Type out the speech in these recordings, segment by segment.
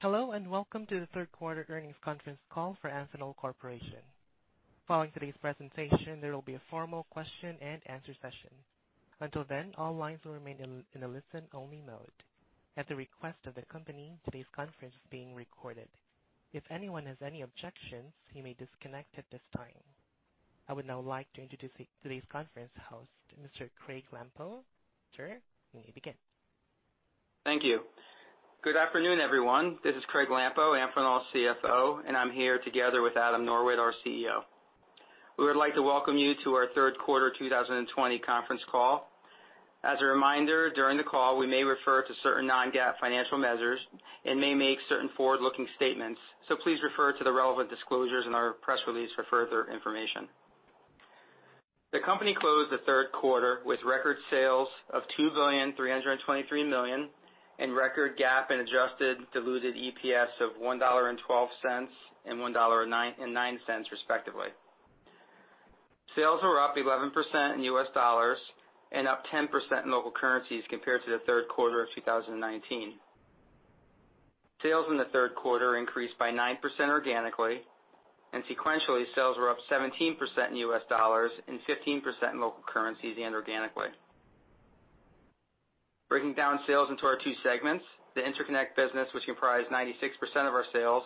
Hello, and welcome to the third quarter earnings conference call for Amphenol Corporation. Prior to this presentation, there will be a formal question and answer session. Until then, all lines will remain in a listen only mode. At the request of the company, today's conference being recorded. If anyone has any objections, you may disconnect at this time. I would now like to introduce today's conference host Mr. Craig Lampo. Sir, you may begin. Thank you. Good afternoon, everyone. This is Craig Lampo, Amphenol's CFO, and I am here together with Adam Norwitt, our CEO. We would like to welcome you to our third quarter 2020 conference call. As a reminder, during the call, we may refer to certain non-GAAP financial measures and may make certain forward-looking statements. Please refer to the relevant disclosures in our press release for further information. The company closed the third quarter with record sales of $2.323 billion and record GAAP and adjusted diluted EPS of $1.12 and $1.09 respectively. Sales were up 11% in US dollars and up 10% in local currencies compared to the third quarter of 2019. Sales in the third quarter increased by 9% organically, and sequentially, sales were up 17% in US dollars and 15% in local currencies and organically. Breaking down sales into our two segments, the interconnect business, which comprised 96% of our sales,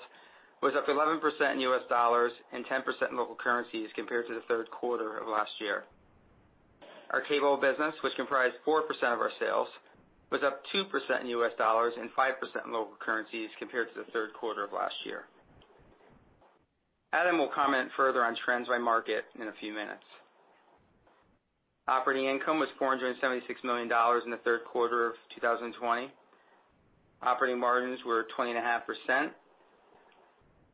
was up 11% in $ and 10% in local currencies compared to the third quarter of last year. Our cable business, which comprised 4% of our sales, was up 2% in US dollar and 5% in local currencies compared to the third quarter of last year. Adam will comment further on trends by market in a few minutes. Operating income was $476 million in the third quarter of 2020. Operating margins were 20.5%,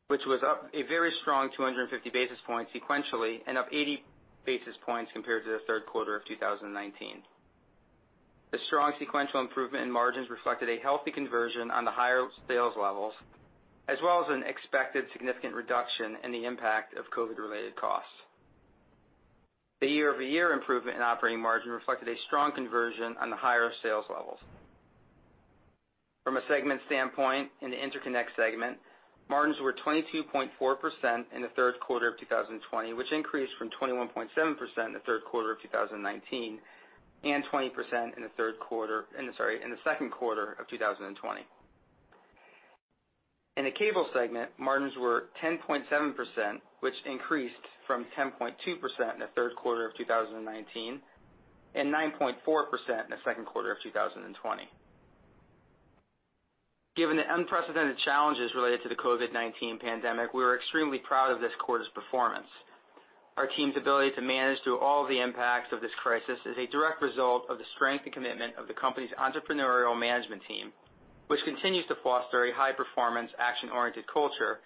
which was up a very strong 250 basis points sequentially and up 80 basis points compared to the third quarter of 2019. The strong sequential improvement in margins reflected a healthy conversion on the higher sales levels, as well as an expected significant reduction in the impact of COVID-related costs. The year-over-year improvement in operating margin reflected a strong conversion on the higher sales levels. From a segment standpoint, in the interconnect segment, margins were 22.4% in the third quarter of 2020, which increased from 21.7% in the third quarter of 2019 and 20% in the second quarter of 2020. In the cable segment, margins were 10.7%, which increased from 10.2% in the third quarter of 2019 and 9.4% in the second quarter of 2020. Given the unprecedented challenges related to the COVID-19 pandemic, we are extremely proud of this quarter's performance. Our team's ability to manage through all the impacts of this crisis is a direct result of the strength and commitment of the company's entrepreneurial management team, which continues to foster a high-performance, action-oriented culture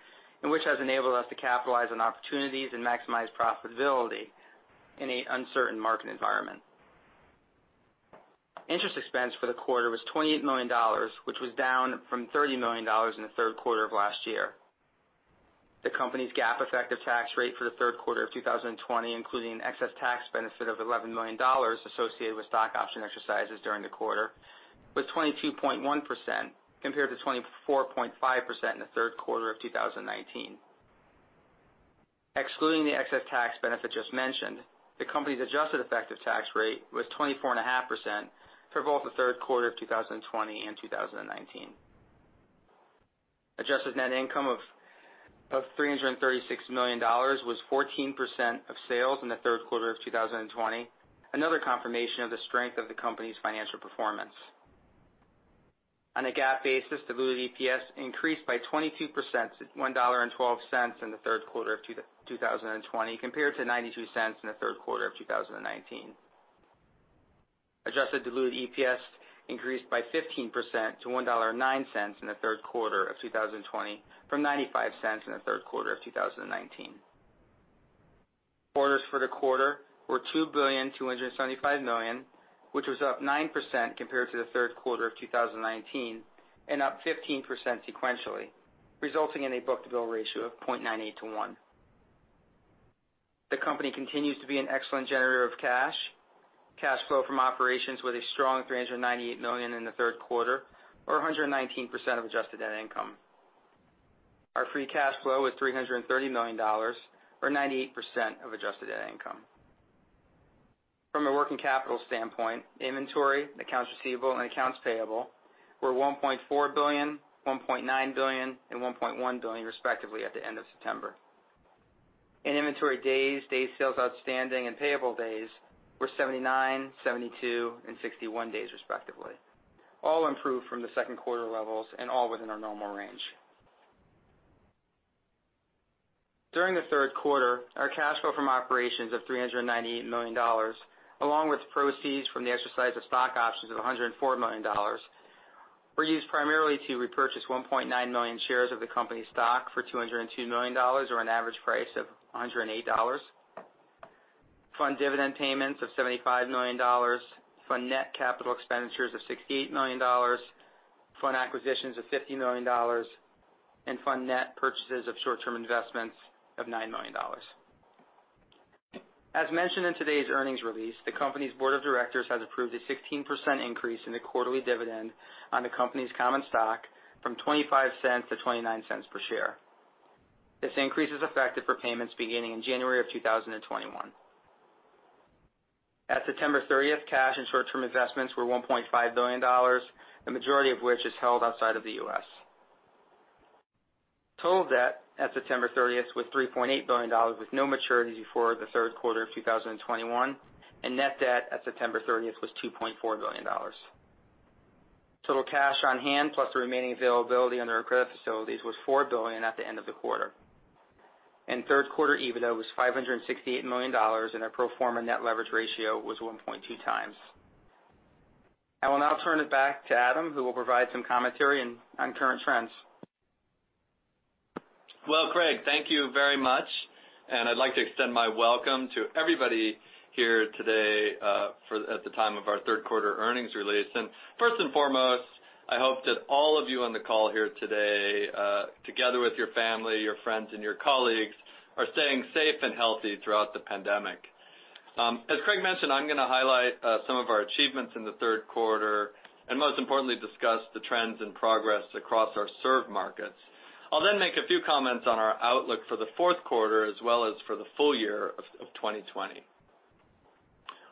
and which has enabled us to capitalize on opportunities and maximize profitability in an uncertain market environment. Interest expense for the quarter was $28 million, which was down from $30 million in the third quarter of last year. The company's GAAP effective tax rate for the third quarter of 2020, including excess tax benefit of $11 million associated with stock option exercises during the quarter, was 22.1%, compared to 24.5% in the third quarter of 2019. Excluding the excess tax benefit just mentioned, the company's adjusted effective tax rate was 24.5% for both the third quarter of 2020 and 2019. Adjusted net income of $336 million was 14% of sales in the third quarter of 2020, another confirmation of the strength of the company's financial performance. On a GAAP basis, diluted EPS increased by 22% to $1.12 in the third quarter of 2020 compared to $0.92 in the third quarter of 2019. Adjusted diluted EPS increased by 15% to $1.09 in the third quarter of 2020 from $0.95 in the third quarter of 2019. Orders for the quarter were $2.275 billion, which was up 9% compared to the third quarter of 2019 and up 15% sequentially, resulting in a book-to-bill ratio of 0.98:1. The company continues to be an excellent generator of cash. Cash flow from operations with a strong $398 million in the third quarter or 119% of adjusted net income. Our free cash flow was $330 million or 98% of adjusted net income. From a working capital standpoint, inventory, accounts receivable, and accounts payable were $1.4 billion, $1.9 billion, and $1.1 billion respectively at the end of September. In inventory days, day sales outstanding, and payable days were 79, 72, and 61 days respectively, all improved from the second quarter levels and all within our normal range. During the third quarter, our cash flow from operations of $398 million, along with proceeds from the exercise of stock options of $104 million, were used primarily to repurchase 1.9 million shares of the company's stock for $202 million or an average price of $108, fund dividend payments of $75 million, fund net capital expenditures of $68 million, fund acquisitions of $50 million, and fund net purchases of short-term investments of $9 million. As mentioned in today's earnings release, the company's board of directors has approved a 16% increase in the quarterly dividend on the company's common stock from $0.25 to $0.29 per share. This increase is effective for payments beginning in January of 2021. At September 30th, cash and short-term investments were $1.5 billion, the majority of which is held outside of the U.S. Total debt at September 30th was $3.8 billion, with no maturities before the third quarter of 2021, and net debt at September 30th was $2.4 billion. Total cash on hand, plus the remaining availability under our credit facilities, was $4 billion at the end of the quarter. Third quarter EBITDA was $568 million, and our pro forma net leverage ratio was 1.2x. I will now turn it back to Adam Norwitt, who will provide some commentary on current trends. Well, Craig, thank you very much, and I'd like to extend my welcome to everybody here today at the time of our third quarter earnings release. First and foremost, I hope that all of you on the call here today, together with your family, your friends, and your colleagues, are staying safe and healthy throughout the pandemic. As Craig mentioned, I'm going to highlight some of our achievements in the third quarter, and most importantly, discuss the trends and progress across our served markets. I'll then make a few comments on our outlook for the fourth quarter, as well as for the full year of 2020.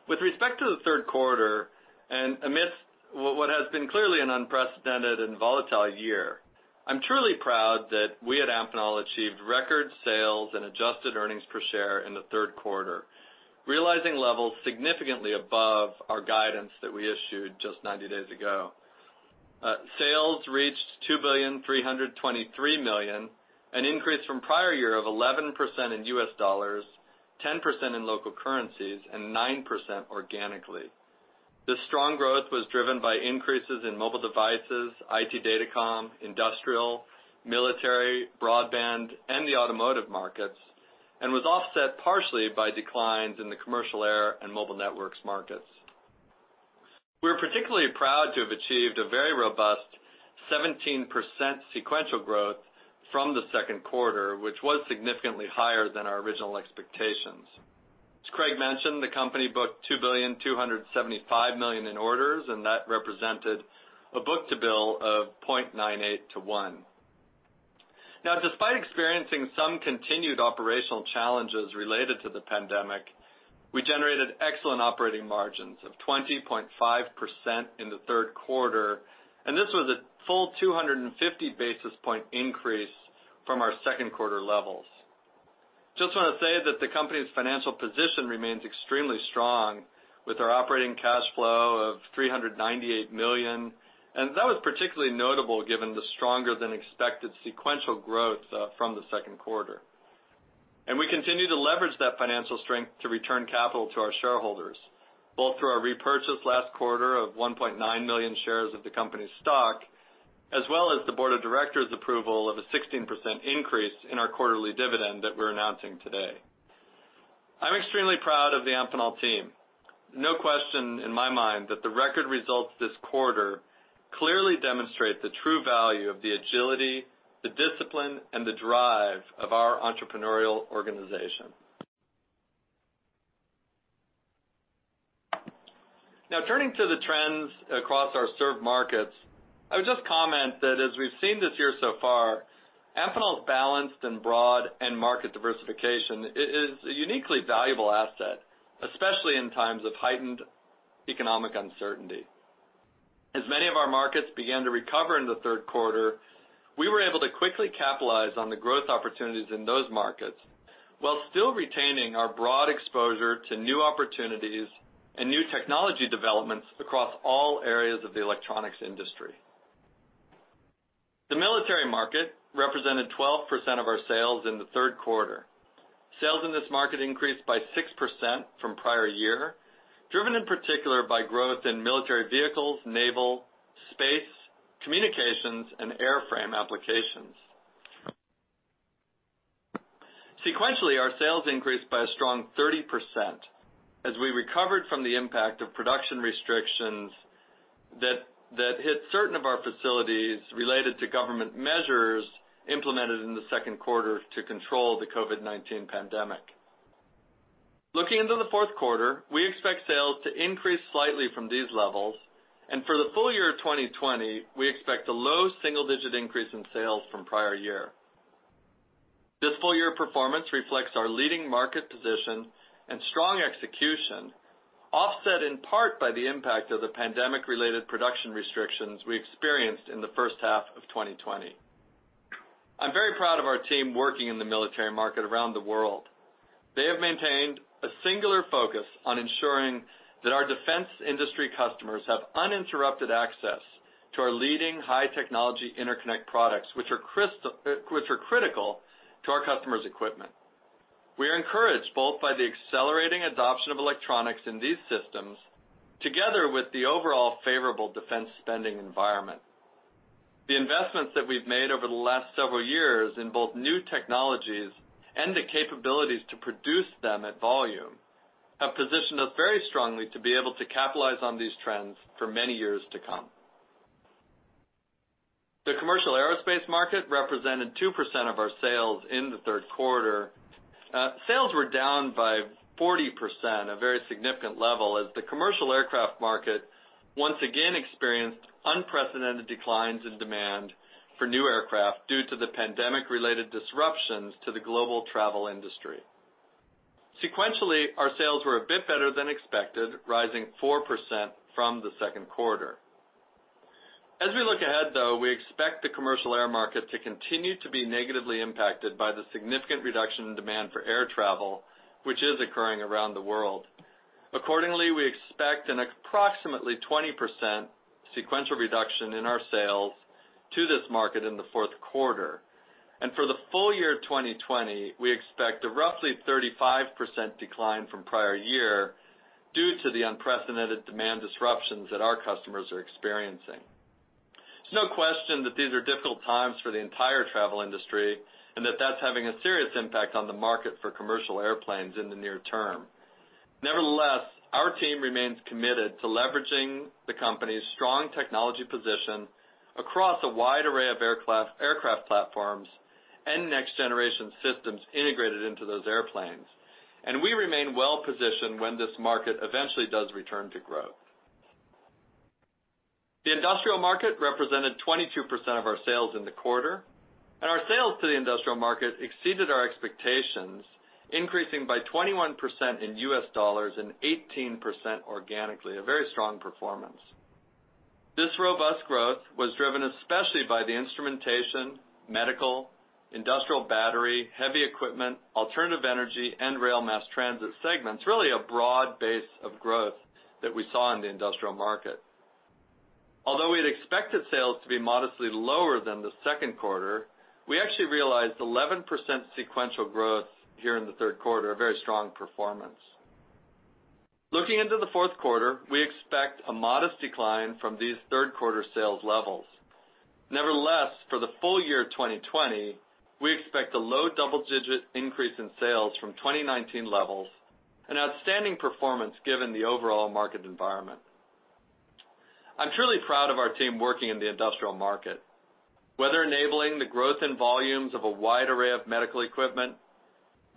With respect to the third quarter, and amidst what has been clearly an unprecedented and volatile year, I'm truly proud that we at Amphenol achieved record sales and adjusted earnings per share in the third quarter, realizing levels significantly above our guidance that we issued just 90 days ago. Sales reached $2.323 billion, an increase from prior year of 11% in U.S. dollars, 10% in local currencies, and 9% organically. This strong growth was driven by increases in mobile devices, IT Datacom, industrial, military, broadband, and the automotive markets, and was offset partially by declines in the commercial air and mobile networks markets. We're particularly proud to have achieved a very robust 17% sequential growth from the second quarter, which was significantly higher than our original expectations. As Craig mentioned, the company booked $2.275 billion in orders, and that represented a book-to-bill of 0.98:1. Despite experiencing some continued operational challenges related to the pandemic, we generated excellent operating margins of 20.5% in the third quarter, and this was a full 250 basis points increase from our second quarter levels. Just want to say that the company's financial position remains extremely strong with our operating cash flow of $398 million, and that was particularly notable given the stronger than expected sequential growth from the second quarter. We continue to leverage that financial strength to return capital to our shareholders, both through our repurchase last quarter of 1.9 million shares of the company's stock, as well as the board of directors approval of a 16% increase in our quarterly dividend that we're announcing today. I'm extremely proud of the Amphenol team. No question in my mind that the record results this quarter clearly demonstrate the true value of the agility, the discipline, and the drive of our entrepreneurial organization. Turning to the trends across our served markets, I would just comment that as we've seen this year so far, Amphenol's balanced and broad end market diversification is a uniquely valuable asset, especially in times of heightened economic uncertainty. Many of our markets began to recover in the third quarter, we were able to quickly capitalize on the growth opportunities in those markets while still retaining our broad exposure to new opportunities and new technology developments across all areas of the electronics industry. The military market represented 12% of our sales in the third quarter. Sales in this market increased by 6% from prior year, driven in particular by growth in military vehicles, naval, space, communications, and airframe applications. Sequentially, our sales increased by a strong 30% as we recovered from the impact of production restrictions that hit certain of our facilities related to government measures implemented in the second quarter to control the COVID-19 pandemic. Looking into the fourth quarter, we expect sales to increase slightly from these levels, and for the full year of 2020, we expect a low single-digit increase in sales from prior year. This full-year performance reflects our leading market position and strong execution, offset in part by the impact of the pandemic-related production restrictions we experienced in the first half of 2020. I'm very proud of our team working in the military market around the world. They have maintained a singular focus on ensuring that our defense industry customers have uninterrupted access to our leading high technology interconnect products, which are critical to our customers' equipment. We are encouraged both by the accelerating adoption of electronics in these systems, together with the overall favorable defense spending environment. The investments that we've made over the last several years in both new technologies and the capabilities to produce them at volume have positioned us very strongly to be able to capitalize on these trends for many years to come. The commercial aerospace market represented 2% of our sales in the third quarter. Sales were down by 40%, a very significant level, as the commercial aircraft market once again experienced unprecedented declines in demand for new aircraft due to the pandemic-related disruptions to the global travel industry. Sequentially, our sales were a bit better than expected, rising 4% from the second quarter. As we look ahead, though, we expect the commercial air market to continue to be negatively impacted by the significant reduction in demand for air travel, which is occurring around the world. Accordingly, we expect an approximately 20% sequential reduction in our sales to this market in the fourth quarter. For the full year 2020, we expect a roughly 35% decline from prior year due to the unprecedented demand disruptions that our customers are experiencing. There's no question that these are difficult times for the entire travel industry, and that that's having a serious impact on the market for commercial airplanes in the near term. Nevertheless, our team remains committed to leveraging the company's strong technology position across a wide array of aircraft platforms and next-generation systems integrated into those airplanes. We remain well-positioned when this market eventually does return to growth. The industrial market represented 22% of our sales in the quarter, and our sales to the industrial market exceeded our expectations, increasing by 21% in US dollars and 18% organically, a very strong performance. This robust growth was driven especially by the instrumentation, medical, industrial battery, heavy equipment, alternative energy, and rail mass transit segments. Really a broad base of growth that we saw in the industrial market. Although we had expected sales to be modestly lower than the second quarter, we actually realized 11% sequential growth here in the third quarter, a very strong performance. Looking into the fourth quarter, we expect a modest decline from these third quarter sales levels. Nevertheless, for the full year 2020, we expect a low double-digit increase in sales from 2019 levels, an outstanding performance given the overall market environment. I'm truly proud of our team working in the industrial market. Whether enabling the growth in volumes of a wide array of medical equipment,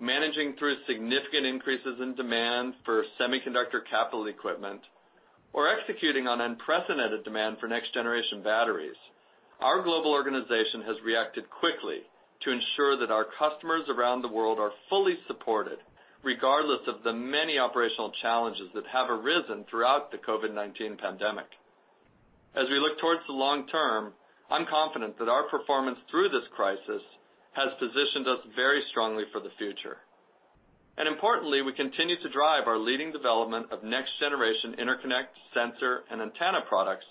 managing through significant increases in demand for semiconductor capital equipment, or executing on unprecedented demand for next-generation batteries, our global organization has reacted quickly to ensure that our customers around the world are fully supported, regardless of the many operational challenges that have arisen throughout the COVID-19 pandemic. As we look towards the long term, I'm confident that our performance through this crisis has positioned us very strongly for the future. Importantly, we continue to drive our leading development of next-generation interconnect, sensor, and antenna products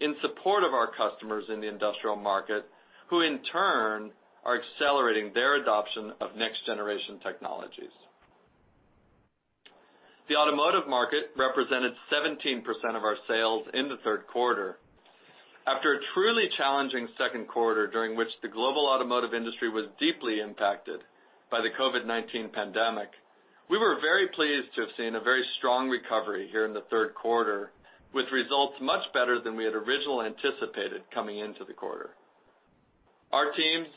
in support of our customers in the industrial market, who in turn are accelerating their adoption of next-generation technologies. The automotive market represented 17% of our sales in the third quarter. After a truly challenging second quarter, during which the global automotive industry was deeply impacted by the COVID-19 pandemic, we were very pleased to have seen a very strong recovery here in the third quarter, with results much better than we had originally anticipated coming into the quarter. Our team's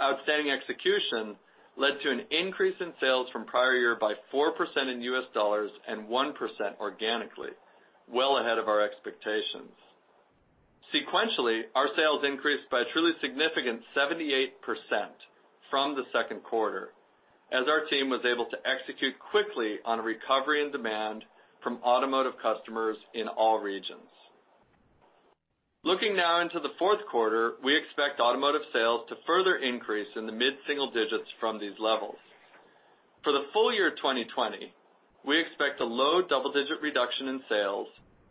outstanding execution led to an increase in sales from prior year by 4% in US dollars and 1% organically, well ahead of our expectations. Sequentially, our sales increased by a truly significant 78% from the second quarter, as our team was able to execute quickly on recovery and demand from automotive customers in all regions. Looking now into the fourth quarter, we expect automotive sales to further increase in the mid-single digits from these levels. For the full year 2020, we expect a low double-digit reduction in sales,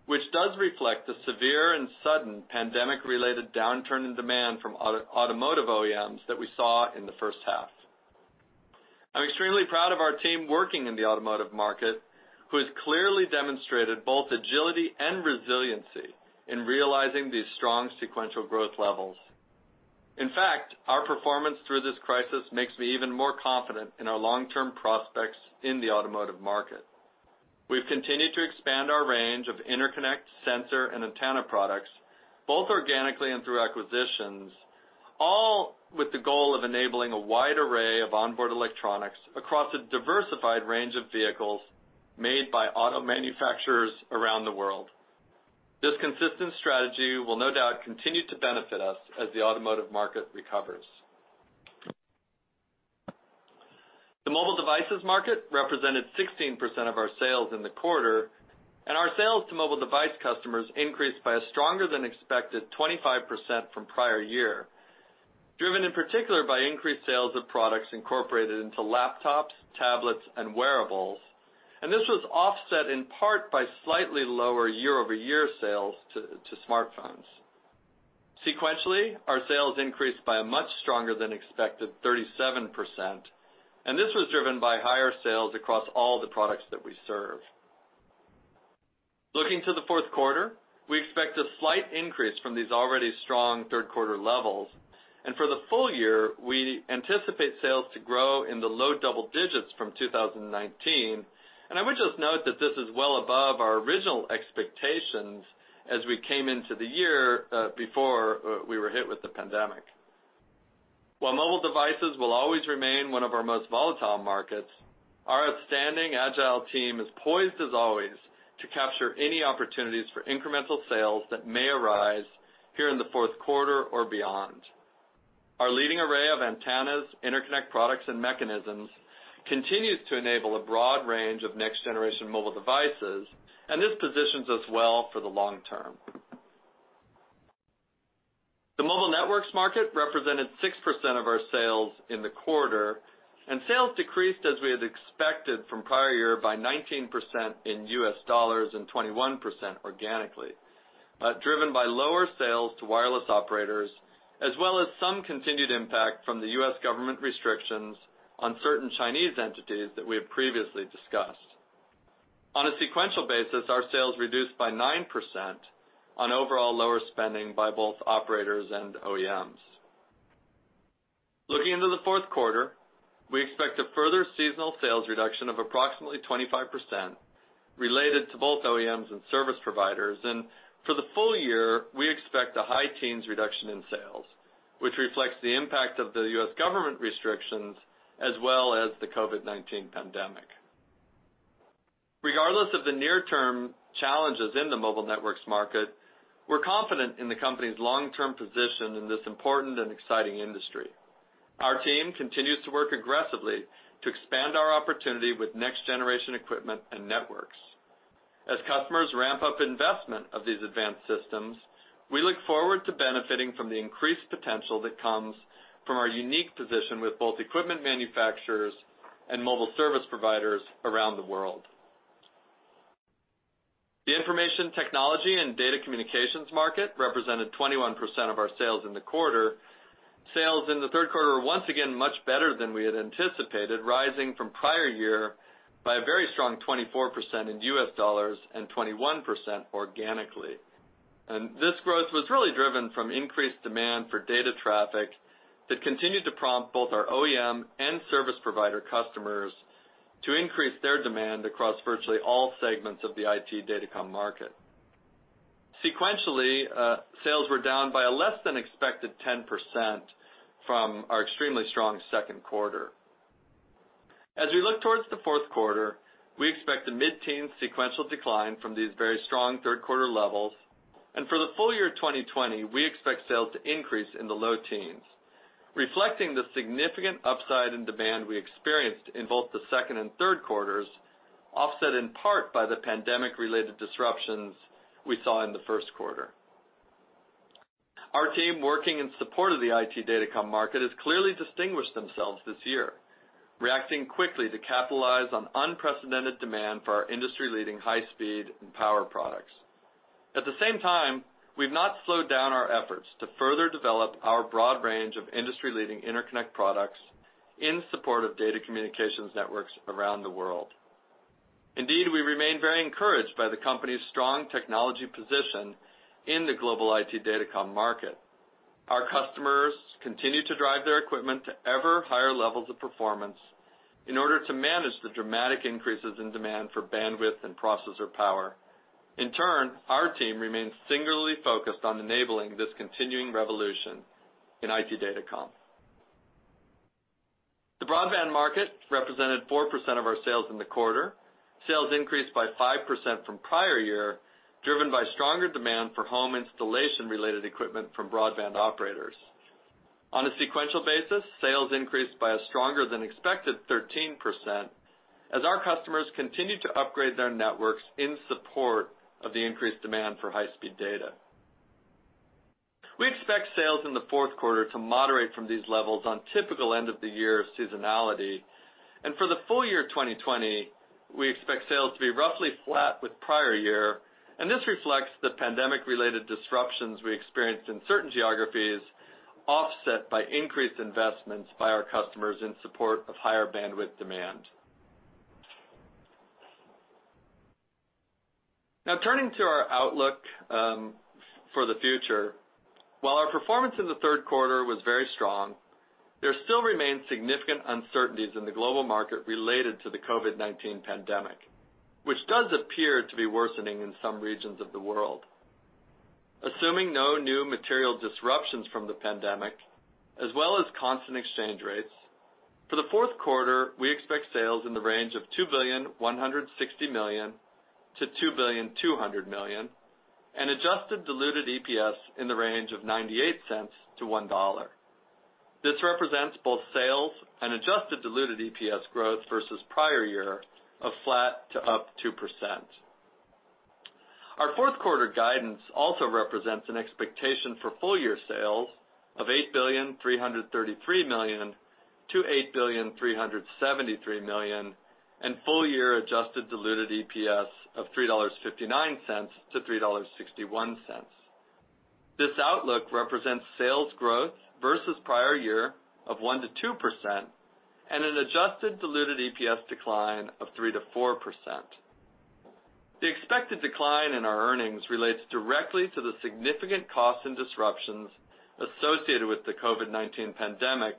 which does reflect the severe and sudden pandemic-related downturn in demand from automotive OEMs that we saw in the first half. I'm extremely proud of our team working in the automotive market, who has clearly demonstrated both agility and resiliency in realizing these strong sequential growth levels. In fact, our performance through this crisis makes me even more confident in our long-term prospects in the automotive market. We've continued to expand our range of interconnect, sensor, and antenna products, both organically and through acquisitions, all with the goal of enabling a wide array of onboard electronics across a diversified range of vehicles made by auto manufacturers around the world. This consistent strategy will no doubt continue to benefit us as the automotive market recovers. The mobile devices market represented 16% of our sales in the quarter, our sales to mobile device customers increased by a stronger than expected 25% from prior year, driven in particular by increased sales of products incorporated into laptops, tablets, and wearables. This was offset in part by slightly lower year-over-year sales to smartphones. Sequentially, our sales increased by a much stronger than expected 37%, this was driven by higher sales across all the products that we serve. Looking to the fourth quarter, we expect a slight increase from these already strong third quarter levels. For the full year, we anticipate sales to grow in the low double digits from 2019. I would just note that this is well above our original expectations as we came into the year, before we were hit with the pandemic. While mobile devices will always remain one of our most volatile markets, our outstanding agile team is poised as always to capture any opportunities for incremental sales that may arise here in the fourth quarter or beyond. Our leading array of antennas, interconnect products, and mechanisms continues to enable a broad range of next-generation mobile devices. This positions us well for the long term. The mobile networks market represented 6% of our sales in the quarter. Sales decreased as we had expected from prior year by 19% in US dollars and 21% organically, driven by lower sales to wireless operators, as well as some continued impact from the U.S. government restrictions on certain Chinese entities that we have previously discussed. On a sequential basis, our sales reduced by 9% on overall lower spending by both operators and OEMs. Looking into the fourth quarter, we expect a further seasonal sales reduction of approximately 25% related to both OEMs and service providers. For the full year, we expect a high teens reduction in sales, which reflects the impact of the U.S. government restrictions as well as the COVID-19 pandemic. Regardless of the near-term challenges in the mobile networks market, we're confident in the company's long-term position in this important and exciting industry. Our team continues to work aggressively to expand our opportunity with next-generation equipment and networks. As customers ramp up investment of these advanced systems, we look forward to benefiting from the increased potential that comes from our unique position with both equipment manufacturers and mobile service providers around the world. The information technology and data communications market represented 21% of our sales in the quarter. Sales in the third quarter were once again much better than we had anticipated, rising from prior year by a very strong 24% in U.S. dollars and 21% organically. This growth was really driven from increased demand for data traffic that continued to prompt both our OEM and service provider customers to increase their demand across virtually all segments of the IT Datacom market. Sequentially, sales were down by a less than expected 10% from our extremely strong second quarter. As we look towards the fourth quarter, we expect a mid-teen sequential decline from these very strong third quarter levels. For the full year 2020, we expect sales to increase in the low teens, reflecting the significant upside in demand we experienced in both the second and third quarters, offset in part by the pandemic-related disruptions we saw in the first quarter. Our team working in support of the IT Datacom market has clearly distinguished themselves this year, reacting quickly to capitalize on unprecedented demand for our industry-leading high-speed and power products. At the same time, we've not slowed down our efforts to further develop our broad range of industry-leading interconnect products in support of data communications networks around the world. Indeed, we remain very encouraged by the company's strong technology position in the global IT Datacom market. Our customers continue to drive their equipment to ever higher levels of performance in order to manage the dramatic increases in demand for bandwidth and processor power. In turn, our team remains singularly focused on enabling this continuing revolution in IT Datacom. The broadband market represented 4% of our sales in the quarter. Sales increased by 5% from prior year, driven by stronger demand for home installation-related equipment from broadband operators. On a sequential basis, sales increased by a stronger than expected 13% as our customers continued to upgrade their networks in support of the increased demand for high-speed data. We expect sales in the fourth quarter to moderate from these levels on typical end-of-the-year seasonality. For the full year 2020, we expect sales to be roughly flat with prior year, and this reflects the pandemic-related disruptions we experienced in certain geographies, offset by increased investments by our customers in support of higher bandwidth demand. Now, turning to our outlook for the future. While our performance in the third quarter was very strong, there still remains significant uncertainties in the global market related to the COVID-19 pandemic, which does appear to be worsening in some regions of the world. Assuming no new material disruptions from the pandemic as well as constant exchange rates, for the Q4, we expect sales in the range of $2.16 billion-$2.20 billion and adjusted diluted EPS in the range of $0.98-$1. This represents both sales and adjusted diluted EPS growth versus prior year of flat to up 2%. Our Q4 guidance also represents an expectation for full year sales of $8.333 billion-$8.373 billion, and full year adjusted diluted EPS of $3.59-$3.61. This outlook represents sales growth versus prior year of 1%-2% and an adjusted diluted EPS decline of 3%-4%. The expected decline in our earnings relates directly to the significant costs and disruptions associated with the COVID-19 pandemic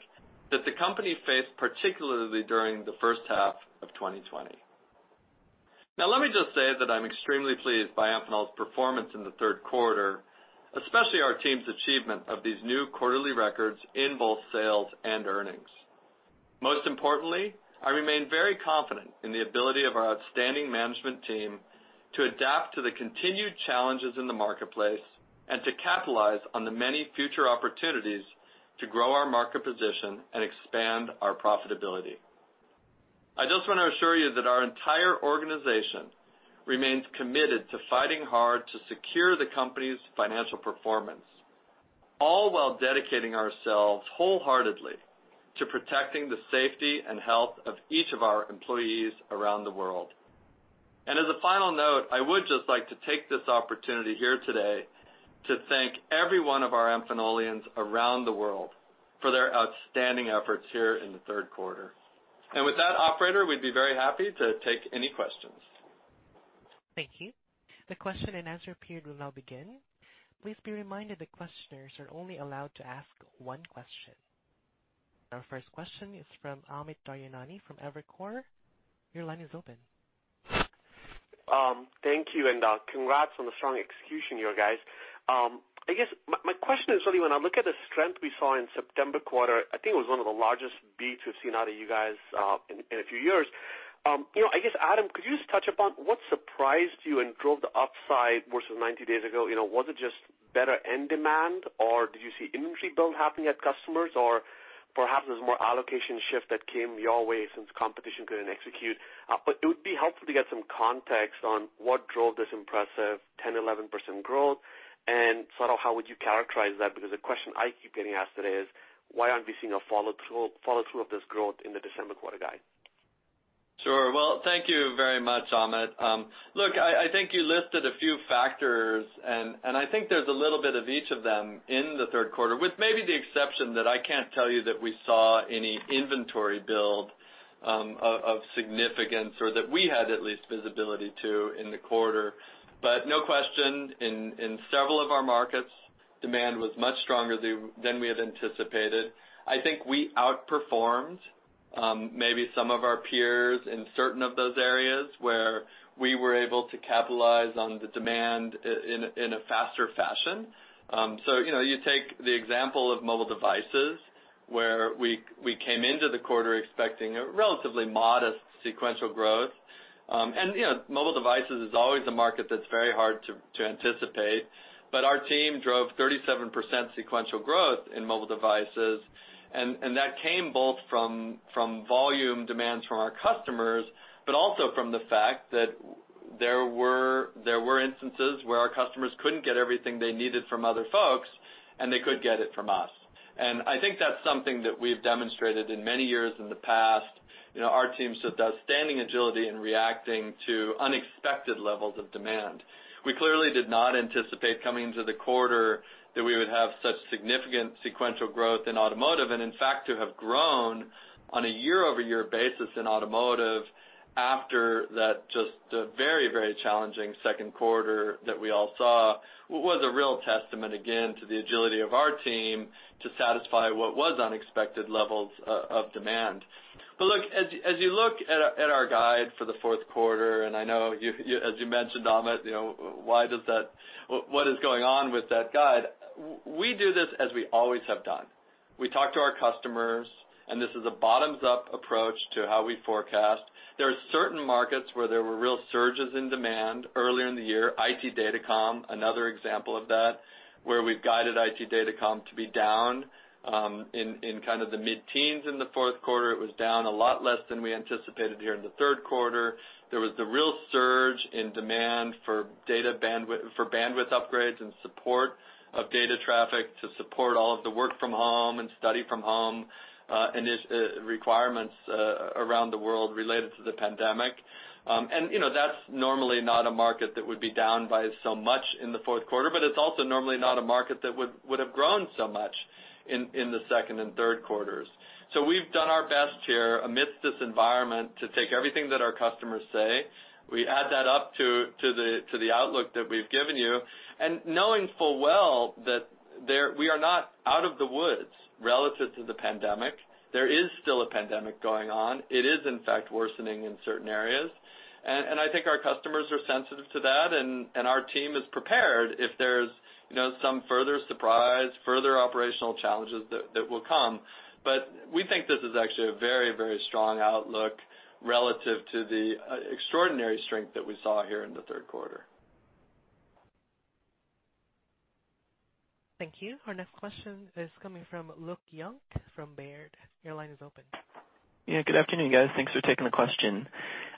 that the company faced, particularly during the first half of 2020. Let me just say that I'm extremely pleased by Amphenol's performance in the third quarter, especially our team's achievement of these new quarterly records in both sales and earnings. Most importantly, I remain very confident in the ability of our outstanding management team to adapt to the continued challenges in the marketplace and to capitalize on the many future opportunities to grow our market position and expand our profitability. I just want to assure you that our entire organization remains committed to fighting hard to secure the company's financial performance, all while dedicating ourselves wholeheartedly to protecting the safety and health of each of our employees around the world. As a final note, I would just like to take this opportunity here today to thank every one of our Amphenoleans around the world for their outstanding efforts here in the third quarter. With that, operator, we'd be very happy to take any questions. Thank you. The question and answer period will now begin. Please be reminded that questioners are only allowed to ask one question. Our first question is from Amit Daryanani from Evercore. Your line is open. Thank you, congrats on the strong execution here, guys. I guess my question is really when I look at the strength we saw in September quarter, I think it was one of the largest beats we've seen out of you guys in a few years. I guess, Adam, could you just touch upon what surprised you and drove the upside versus 90 days ago? Was it just better end demand, or did you see inventory build happening at customers? Perhaps there's more allocation shift that came your way since competition couldn't execute. It would be helpful to get some context on what drove this impressive 10%, 11% growth and sort of how would you characterize that? The question I keep getting asked today is why aren't we seeing a follow-through of this growth in the December quarter guide? Sure. Well, thank you very much, Amit. Look, I think you listed a few factors, and I think there's a little bit of each of them in the third quarter, with maybe the exception that I can't tell you that we saw any inventory build of significance or that we had at least visibility to in the quarter. No question, in several of our markets, demand was much stronger than we had anticipated. I think we outperformed maybe some of our peers in certain of those areas where we were able to capitalize on the demand in a faster fashion. You take the example of mobile devices, where we came into the quarter expecting a relatively modest sequential growth. Mobile devices is always a market that's very hard to anticipate, but our team drove 37% sequential growth in mobile devices, and that came both from volume demands from our customers, but also from the fact that there were instances where our customers couldn't get everything they needed from other folks, and they could get it from us. I think that's something that we've demonstrated in many years in the past. Our team showed outstanding agility in reacting to unexpected levels of demand. We clearly did not anticipate coming into the quarter that we would have such significant sequential growth in automotive. In fact, to have grown on a year-over-year basis in automotive after that just very challenging second quarter that we all saw was a real testament, again, to the agility of our team to satisfy what was unexpected levels of demand. Look, as you look at our guide for the fourth quarter, and I know as you mentioned, Amit, what is going on with that guide? We do this as we always have done. We talk to our customers, and this is a bottoms-up approach to how we forecast. There are certain markets where there were real surges in demand earlier in the year. IT Datacom, another example of that, where we've guided IT Datacom to be down in kind of the mid-teens in the fourth quarter. It was down a lot less than we anticipated here in the third quarter. There was the real surge in demand for bandwidth upgrades in support of data traffic to support all of the work from home and study from home requirements around the world related to the pandemic. That's normally not a market that would be down by so much in the fourth quarter, but it's also normally not a market that would have grown so much in the second and third quarters. We've done our best here amidst this environment to take everything that our customers say. We add that up to the outlook that we've given you and knowing full well that we are not out of the woods relative to the pandemic. There is still a pandemic going on. It is, in fact, worsening in certain areas. I think our customers are sensitive to that, and our team is prepared if there's some further surprise, further operational challenges that will come. We think this is actually a very strong outlook relative to the extraordinary strength that we saw here in the third quarter. Thank you. Our next question is coming from Luke Junk from Baird. Your line is open. Yeah, good afternoon, guys. Thanks for taking the question.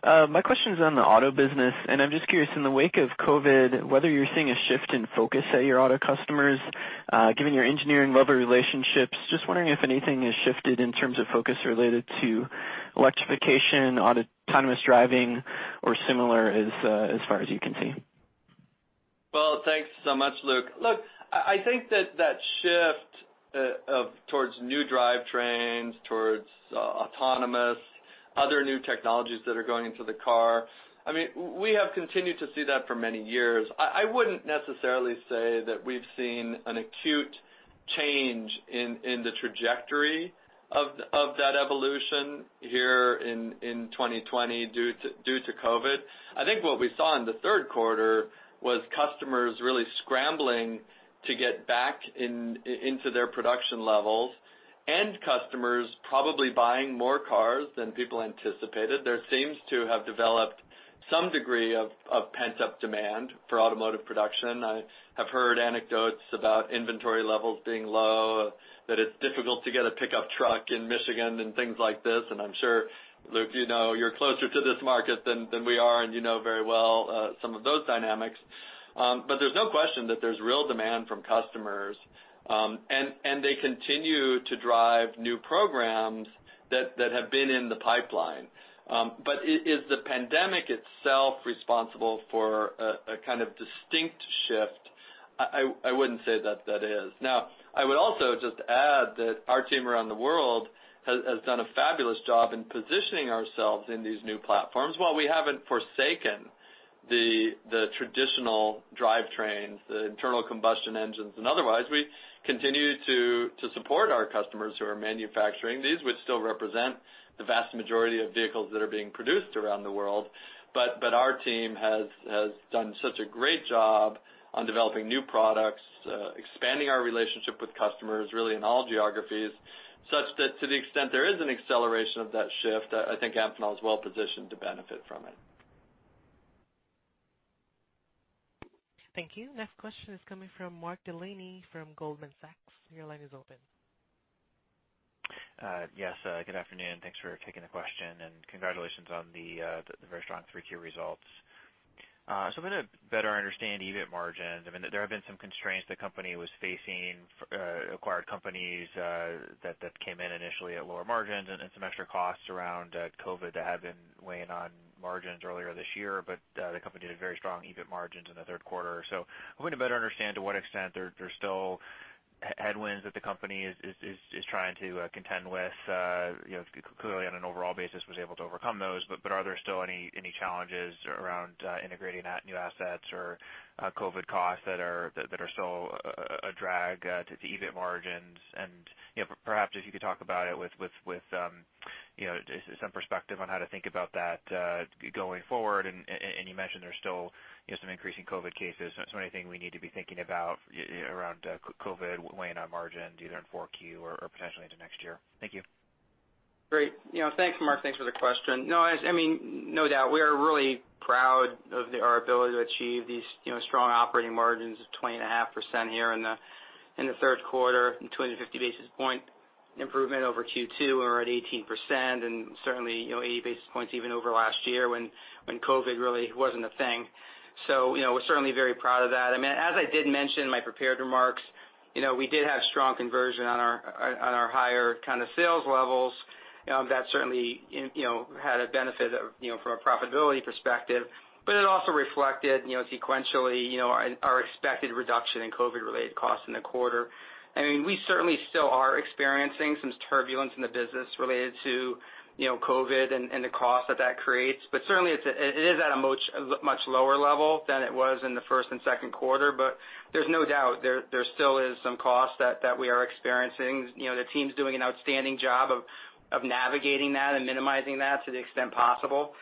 My question is on the auto business. I'm just curious, in the wake of COVID, whether you're seeing a shift in focus at your auto customers given your engineering level relationships, just wondering if anything has shifted in terms of focus related to electrification, autonomous driving or similar as far as you can see? Well, thanks so much, Luke. Look, I think that shift towards new drivetrains, towards autonomous, other new technologies that are going into the car, we have continued to see that for many years. I wouldn't necessarily say that we've seen an acute change in the trajectory of that evolution here in 2020 due to COVID. I think what we saw in the third quarter was customers really scrambling to get back into their production levels and customers probably buying more cars than people anticipated. There seems to have developed some degree of pent-up demand for automotive production. I have heard anecdotes about inventory levels being low, that it's difficult to get a pickup truck in Michigan and things like this, and I'm sure, Luke, you know. You're closer to this market than we are, and you know very well some of those dynamics. There's no question that there's real demand from customers, and they continue to drive new programs that have been in the pipeline. Is the pandemic itself responsible for a kind of distinct shift? I wouldn't say that is. Now, I would also just add that our team around the world has done a fabulous job in positioning ourselves in these new platforms. While we haven't forsaken the traditional drivetrains, the internal combustion engines, and otherwise, we continue to support our customers who are manufacturing these, which still represent the vast majority of vehicles that are being produced around the world. Our team has done such a great job on developing new products, expanding our relationship with customers, really in all geographies, such that to the extent there is an acceleration of that shift, I think Amphenol is well positioned to benefit from it. Thank you. Next question is coming from Mark Delaney from Goldman Sachs. Your line is open. Yes, good afternoon. Thanks for taking the question, and congratulations on the very strong tier three results. I'm going to better understand EBIT margin. There have been some constraints the company was facing, acquired companies that came in initially at lower margins and some extra costs around COVID that have been weighing on margins earlier this year. The company did a very strong EBIT margins in the third quarter. I'm going to better understand to what extent there's still headwinds that the company is trying to contend with. Clearly, on an overall basis, was able to overcome those, but are there still any challenges around integrating that new assets or COVID costs that are still a drag to the EBIT margins? Perhaps if you could talk about it with some perspective on how to think about that going forward. You mentioned there's still some increasing COVID cases. Anything we need to be thinking about around COVID weighing on margins either in 4Q or potentially into next year? Thank you. Great. Thanks, Mark. Thanks for the question. No doubt, we are really proud of our ability to achieve these strong operating margins of 20.5% here in the third quarter and 250 basis point improvement over Q2. We're at 18% and certainly, 80 basis points even over last year when COVID really wasn't a thing. We're certainly very proud of that. As I did mention in my prepared remarks, we did have strong conversion on our higher kind of sales levels. That certainly had a benefit from a profitability perspective. It also reflected sequentially our expected reduction in COVID-related costs in the quarter. We certainly still are experiencing some turbulence in the business related to COVID and the cost that creates. Certainly it is at a much lower level than it was in the first and second quarter. There's no doubt there still is some cost that we are experiencing. The team's doing an outstanding job of navigating that and minimizing that to the extent possible.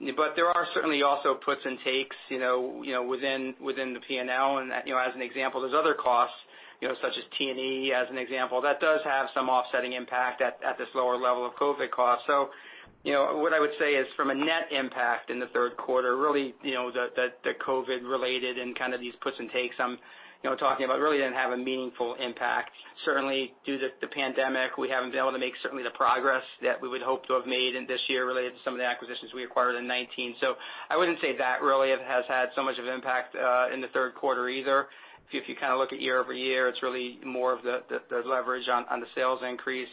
There are certainly also puts and takes within the P&L, and as an example, there's other costs such as T&E as an example that does have some offsetting impact at this lower level of COVID costs. What I would say is from a net impact in the third quarter, really the COVID-related and kind of these puts and takes I'm talking about really didn't have a meaningful impact. Certainly due to the pandemic, we haven't been able to make certainly the progress that we would hope to have made in this year related to some of the acquisitions we acquired in 2019. I wouldn't say that really has had so much of an impact in the third quarter either. If you kind of look at year-over-year, it's really more of the leverage on the sales increase.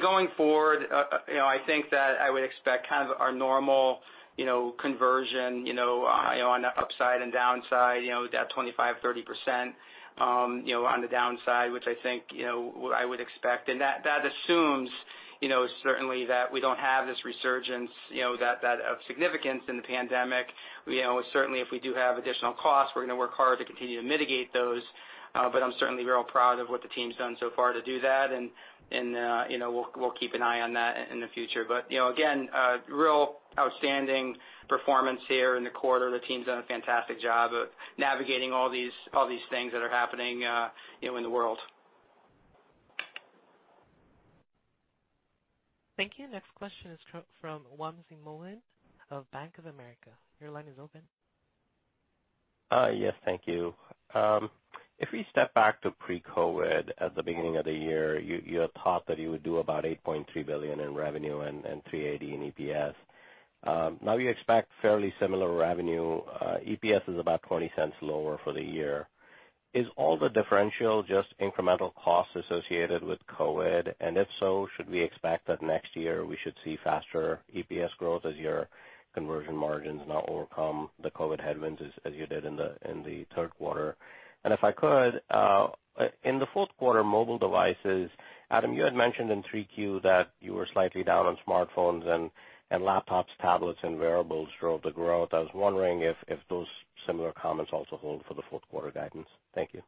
Going forward, I think that I would expect kind of our normal conversion on the upside and downside, that 25%-30% on the downside, which I think I would expect. That assumes certainly that we don't have this resurgence of significance in the pandemic. Certainly if we do have additional costs, we're going to work hard to continue to mitigate those. I'm certainly real proud of what the team's done so far to do that, and we'll keep an eye on that in the future. Again, real outstanding performance here in the quarter. The team's done a fantastic job of navigating all these things that are happening in the world. Thank you. Next question is from Wamsi Mohan of Bank of America. Your line is open. Yes. Thank you. If we step back to pre-COVID-19 at the beginning of the year, you had thought that you would do about $8.3 billion in revenue and $3.80 in EPS. Now you expect fairly similar revenue. EPS is about $0.20 lower for the year. Is all the differential just incremental costs associated with COVID-19? If so, should we expect that next year we should see faster EPS growth as your conversion margins now overcome the COVID-19 headwinds as you did in the third quarter? If I could, in the fourth quarter mobile devices, Adam, you had mentioned in 3Q that you were slightly down on smartphones and laptops, tablets, and wearables drove the growth. I was wondering if those similar comments also hold for the fourth quarter guidance. Thank you.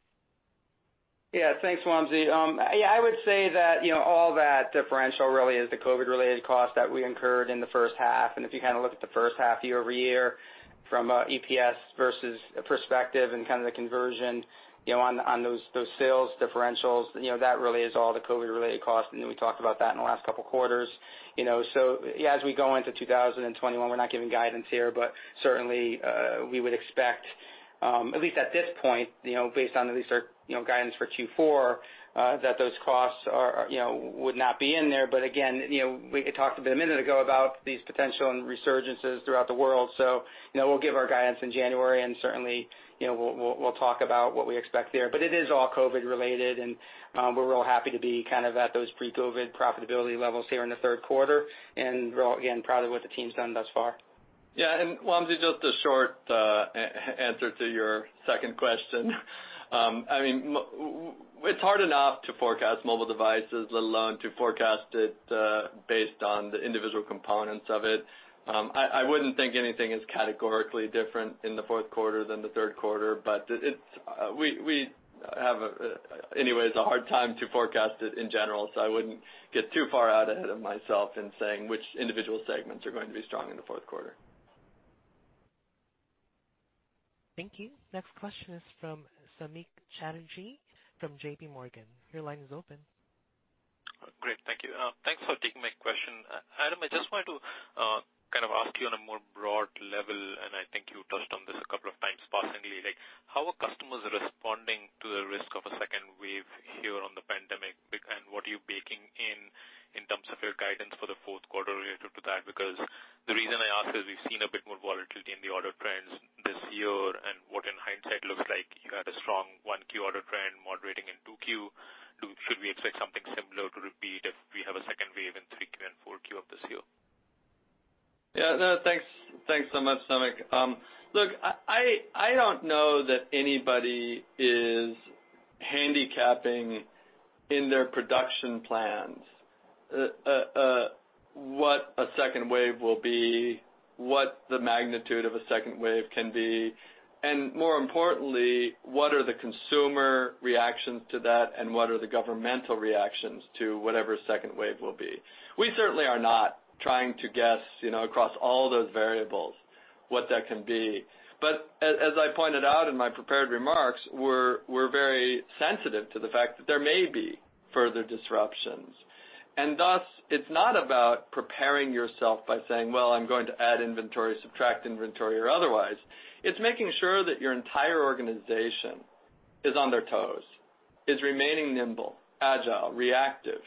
Yeah, thanks, Wamsi. I would say that all that differential really is the COVID related cost that we incurred in the first half. If you look at the first half year-over-year from a EPS versus perspective and the conversion on those sales differentials, that really is all the COVID related cost. We talked about that in the last couple of quarters. As we go into 2021, we're not giving guidance here, but certainly, we would expect, at least at this point, based on at least our guidance for Q4, that those costs would not be in there. Again, we talked a bit a minute ago about these potential resurgences throughout the world. We'll give our guidance in January and certainly, we'll talk about what we expect there. It is all COVID related, and we're real happy to be at those pre-COVID profitability levels here in the third quarter. Real, again, proud of what the team's done thus far. Yeah. Wamsi, just a short answer to your second question. It's hard enough to forecast mobile devices, let alone to forecast it based on the individual components of it. I wouldn't think anything is categorically different in the fourth quarter than the third quarter. We have anyways a hard time to forecast it in general, I wouldn't get too far out ahead of myself in saying which individual segments are going to be strong in the fourth quarter. Thank you. Next question is from Samik Chatterjee from JPMorgan. Your line is open. Great. Thank you. Thanks for taking my question. Adam, I just wanted to ask you on a more broad level, and I think you touched on this a couple of times passingly. How are customers responding to the risk of a second wave here on the pandemic? What are you baking in terms of your guidance for the fourth quarter related to that? The reason I ask is we've seen a bit more volatility in the order trends this year and what in hindsight looks like you had a strong 1Q order trend moderating in 2Q. Should we expect something similar to repeat if we have a second wave in 3Q and 4Q of this year? Yeah. Thanks so much, Samik. Look, I don't know that anybody is handicapping in their production plans what a second wave will be, what the magnitude of a second wave can be, and more importantly, what are the consumer reactions to that, and what are the governmental reactions to whatever a second wave will be. We certainly are not trying to guess across all those variables what that can be. As I pointed out in my prepared remarks, we're very sensitive to the fact that there may be further disruptions. Thus, it's not about preparing yourself by saying, well, I'm going to add inventory, subtract inventory or otherwise. It's making sure that your entire organization is on their toes, is remaining nimble, agile, reactive,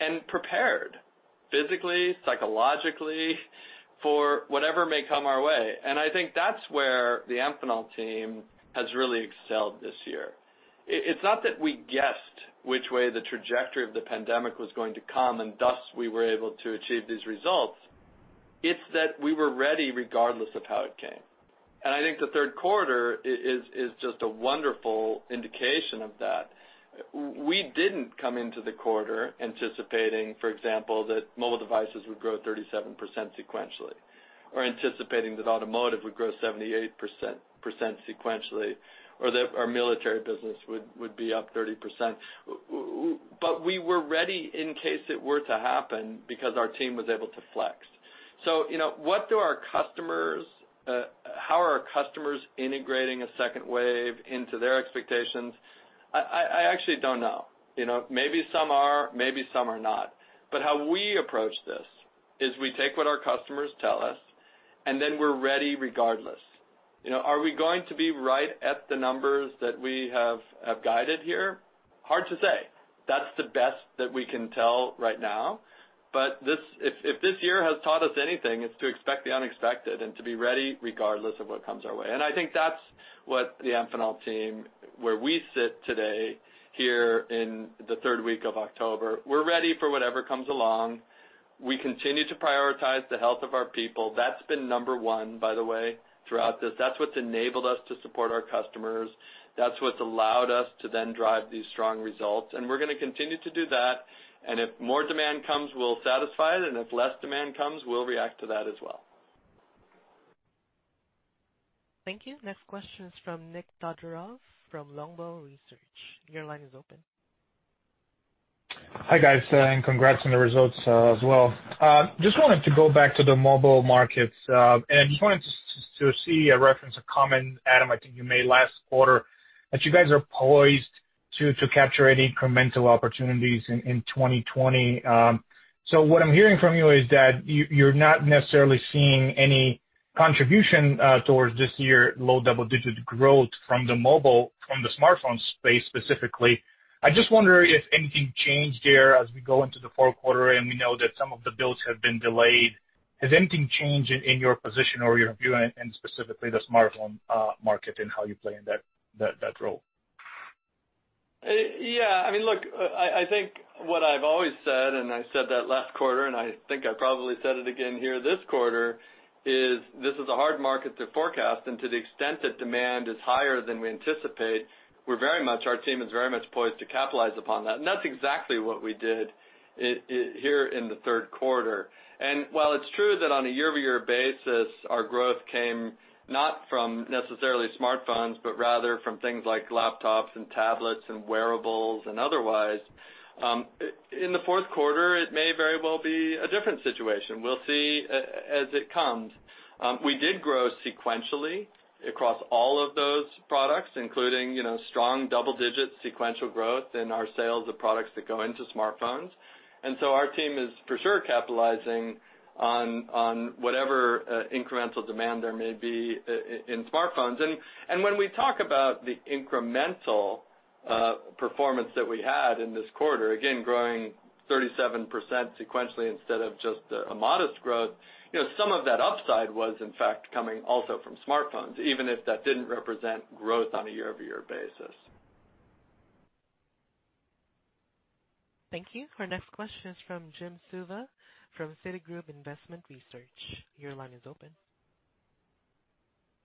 and prepared physically, psychologically for whatever may come our way. I think that's where the Amphenol team has really excelled this year. It's not that we guessed which way the trajectory of the pandemic was going to come, and thus we were able to achieve these results. It's that we were ready regardless of how it came. I think the third quarter is just a wonderful indication of that. We didn't come into the quarter anticipating, for example, that mobile devices would grow 37% sequentially, or anticipating that automotive would grow 78% sequentially, or that our military business would be up 30%. We were ready in case it were to happen because our team was able to flex. How are our customers integrating a second wave into their expectations? I actually don't know. Maybe some are, maybe some are not. How we approach this is we take what our customers tell us, and then we're ready regardless. Are we going to be right at the numbers that we have guided here? Hard to say. That's the best that we can tell right now. If this year has taught us anything, it's to expect the unexpected and to be ready regardless of what comes our way. I think that's what the Amphenol team, where we sit today, here in the third week of October. We're ready for whatever comes along. We continue to prioritize the health of our people. That's been number one, by the way, throughout this. That's what's enabled us to support our customers. That's what's allowed us to then drive these strong results. We're going to continue to do that, and if more demand comes, we'll satisfy it, and if less demand comes, we'll react to that as well. Thank you. Next question is from Nik Todorov from Longbow Research. Your line is open. Hi guys, congrats on the results as well. Just wanted to go back to the mobile markets. Just wanted to see a reference, a comment, Adam Norwitt, I think you made last quarter that you guys are poised to capture any incremental opportunities in 2020. What I'm hearing from you is that you're not necessarily seeing any contribution towards this year low double-digit growth from the mobile, from the smartphone space specifically. I just wonder if anything changed there as we go into the fourth quarter, and we know that some of the builds have been delayed? Has anything changed in your position or your view in specifically the smartphone market and how you play in that role? Yeah. Look, I think what I've always said, and I said that last quarter, and I think I probably said it again here this quarter, is this is a hard market to forecast, and to the extent that demand is higher than we anticipate, our team is very much poised to capitalize upon that. That's exactly what we did here in the third quarter. While it's true that on a year-over-year basis, our growth came not from necessarily smartphones, but rather from things like laptops and tablets and wearables and otherwise, in the fourth quarter, it may very well be a different situation. We'll see as it comes. We did grow sequentially across all of those products, including strong double-digit sequential growth in our sales of products that go into smartphones. Our team is for sure capitalizing on whatever incremental demand there may be in smartphones. When we talk about the incremental performance that we had in this quarter, again, growing 37% sequentially instead of just a modest growth, some of that upside was, in fact, coming also from smartphones, even if that didn't represent growth on a year-over-year basis. Thank you. Our next question is from Jim Suva from Citigroup Investment Research. Your line is open.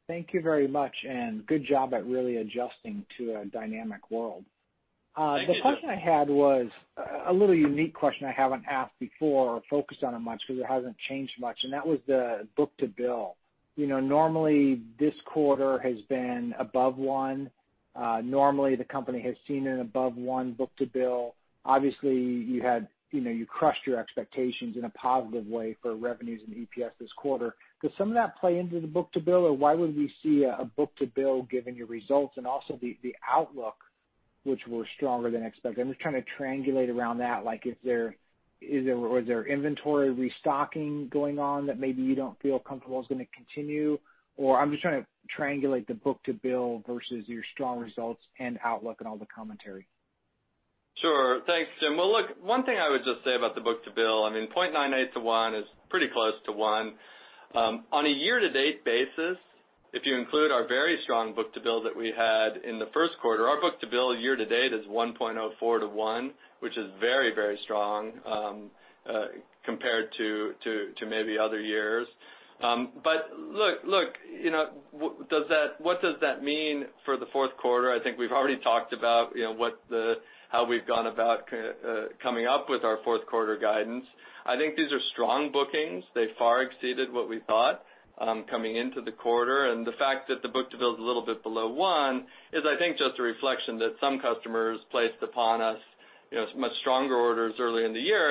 Thank you very much, and good job at really adjusting to a dynamic world. Thank you. The question I had was a little unique question I haven't asked before or focused on it much because it hasn't changed much, and that was the book-to-bill. Normally, this quarter has been above one. Normally, the company has seen an above one book-to-bill. Obviously, you crushed your expectations in a positive way for revenues and EPS this quarter. Does some of that play into the book-to-bill, or why would we see a book-to-bill given your results and also the outlook, which were stronger than expected? I'm just trying to triangulate around that. Is there inventory restocking going on that maybe you don't feel comfortable is going to continue? I'm just trying to triangulate the book-to-bill versus your strong results and outlook and all the commentary. Sure. Thanks, Jim. Look, one thing I would just say about the book-to-bill, 0.98:1 is pretty close to one. On a year-to-date basis, if you include our very strong book-to-bill that we had in the first quarter, our book-to-bill year-to-date is 1.04:1, which is very strong compared to maybe other years. Look, what does that mean for the fourth quarter? I think we've already talked about how we've gone about coming up with our fourth quarter guidance. I think these are strong bookings. They far exceeded what we thought coming into the quarter. The fact that the book-to-bill is a little bit below one is, I think, just a reflection that some customers placed upon us much stronger orders early in the year.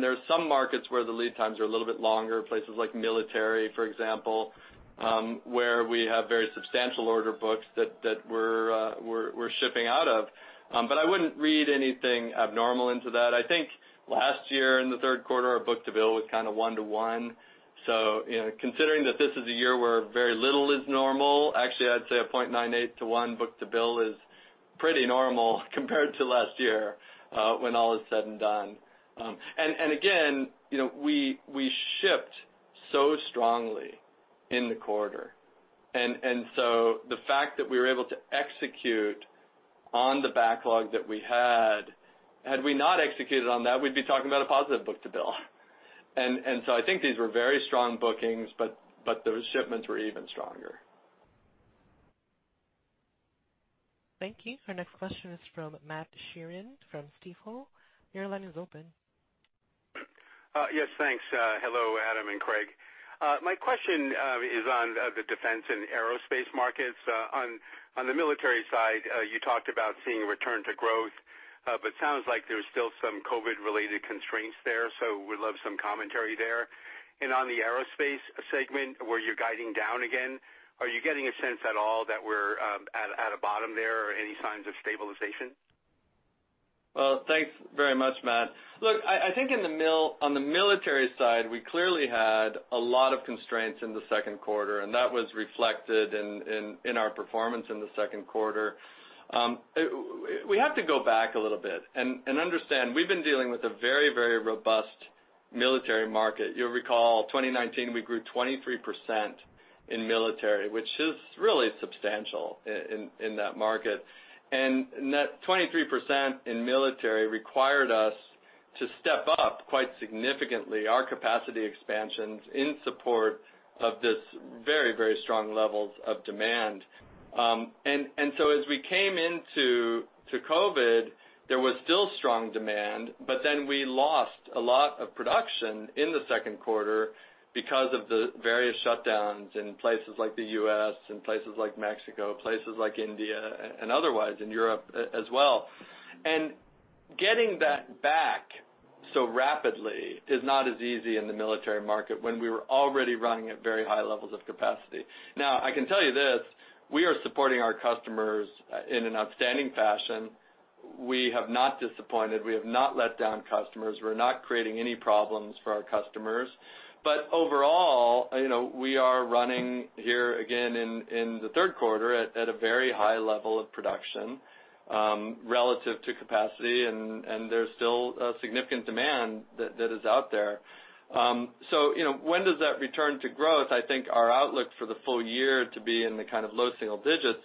There are some markets where the lead times are a little bit longer, places like military, for example, where we have very substantial order books that we're shipping out of. But I wouldn't read anything abnormal into that. I think last year in the third quarter, our book-to-bill was kind of 1:1. So considering that this is a year where very little is normal, actually, I'd say a 0.98:1 book-to-bill is pretty normal compared to last year when all is said and done. Again, we shipped so strongly in the quarter. The fact that we were able to execute on the backlog that we had we not executed on that, we'd be talking about a positive book-to-bill. I think these were very strong bookings, but those shipments were even stronger. Thank you. Our next question is from Matt Sheerin from Stifel. Your line is open. Yes, thanks. Hello, Adam and Craig. My question is on the defense and aerospace markets. On the military side, you talked about seeing a return to growth, but sounds like there's still some COVID-related constraints there, so would love some commentary there. On the aerospace segment, where you're guiding down again, are you getting a sense at all that we're at a bottom there or any signs of stabilization? Well, thanks very much, Matt. Look, I think on the military side, we clearly had a lot of constraints in the second quarter, and that was reflected in our performance in the second quarter. We have to go back a little bit and understand we've been dealing with a very robust military market. You'll recall 2019, we grew 23% in military, which is really substantial in that market. That 23% in military required us to step up quite significantly our capacity expansions in support of this very strong levels of demand. As we came into COVID-19, there was still strong demand, but then we lost a lot of production in the second quarter because of the various shutdowns in places like the U.S. and places like Mexico, places like India, and otherwise in Europe as well. Getting that back so rapidly is not as easy in the military market when we were already running at very high levels of capacity. I can tell you this, we are supporting our customers in an outstanding fashion. We have not disappointed. We have not let down customers. We're not creating any problems for our customers. We are running here again in the third quarter at a very high level of production relative to capacity, and there's still a significant demand that is out there. When does that return to growth? I think our outlook for the full year to be in the kind of low single digits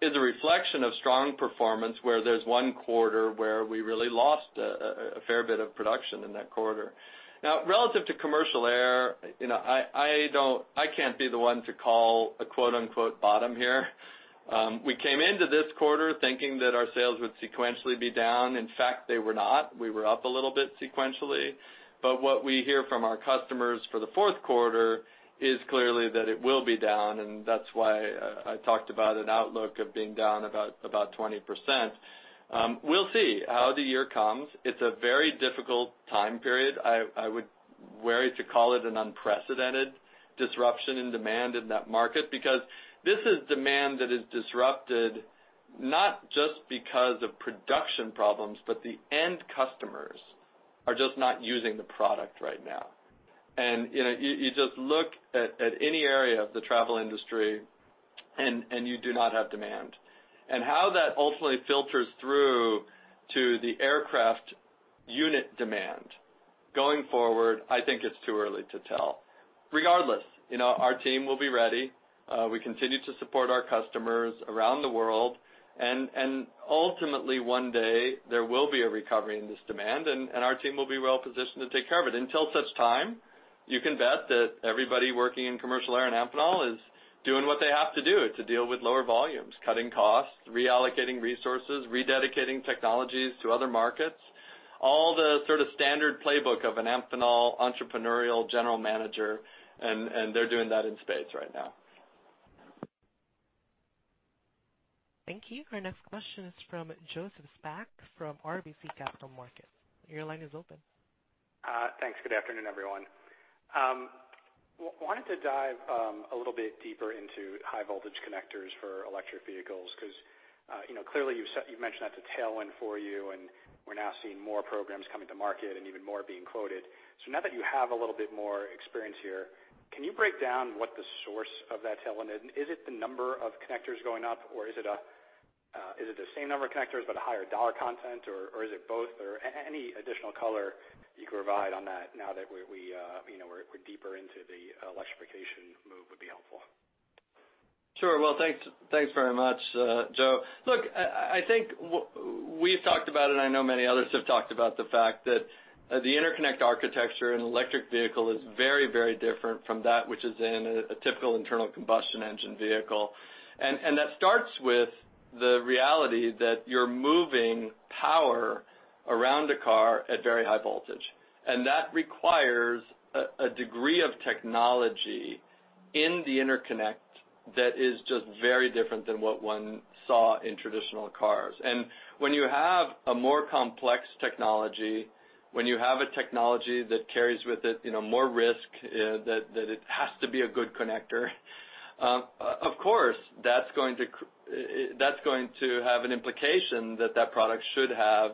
is a reflection of strong performance, where there's one quarter where we really lost a fair bit of production in that quarter. Relative to commercial air, I can't be the one to call a quote unquote "bottom" here. We came into this quarter thinking that our sales would sequentially be down. In fact, they were not. We were up a little bit sequentially. What we hear from our customers for the fourth quarter is clearly that it will be down, and that's why I talked about an outlook of being down about 20%. We'll see how the year comes. It's a very difficult time period. I would wary to call it an unprecedented disruption in demand in that market, because this is demand that is disrupted not just because of production problems, but the end customers are just not using the product right now. You just look at any area of the travel industry and you do not have demand. How that ultimately filters through to the aircraft unit demand going forward, I think it's too early to tell. Regardless, our team will be ready. We continue to support our customers around the world, and ultimately one day there will be a recovery in this demand, and our team will be well positioned to take care of it. Until such time, you can bet that everybody working in commercial air in Amphenol is doing what they have to do to deal with lower volumes, cutting costs, reallocating resources, rededicating technologies to other markets. All the sort of standard playbook of an Amphenol entrepreneurial general manager, and they're doing that in spades right now. Thank you. Our next question is from Joseph Spak from RBC Capital Markets. Your line is open. Thanks. Good afternoon, everyone. Wanted to dive a little bit deeper into high voltage connectors for electric vehicles, because clearly you've mentioned that's a tailwind for you, and we're now seeing more programs coming to market and even more being quoted. Now that you have a little bit more experience here, can you break down what the source of that tailwind is? Is it the number of connectors going up, or is it the same number of connectors but a higher dollar content, or is it both? Any additional color you can provide on that now that we're deeper into the electrification move would be helpful. Sure. Well, thanks very much, Joe. Look, I think we've talked about, I know many others have talked about the fact that the interconnect architecture in an electric vehicle is very different from that which is in a typical internal combustion engine vehicle. That starts with the reality that you're moving power around a car at very high voltage. That requires a degree of technology in the interconnect that is just very different than what one saw in traditional cars. When you have a more complex technology, when you have a technology that carries with it more risk, that it has to be a good connector, of course that's going to have an implication that that product should have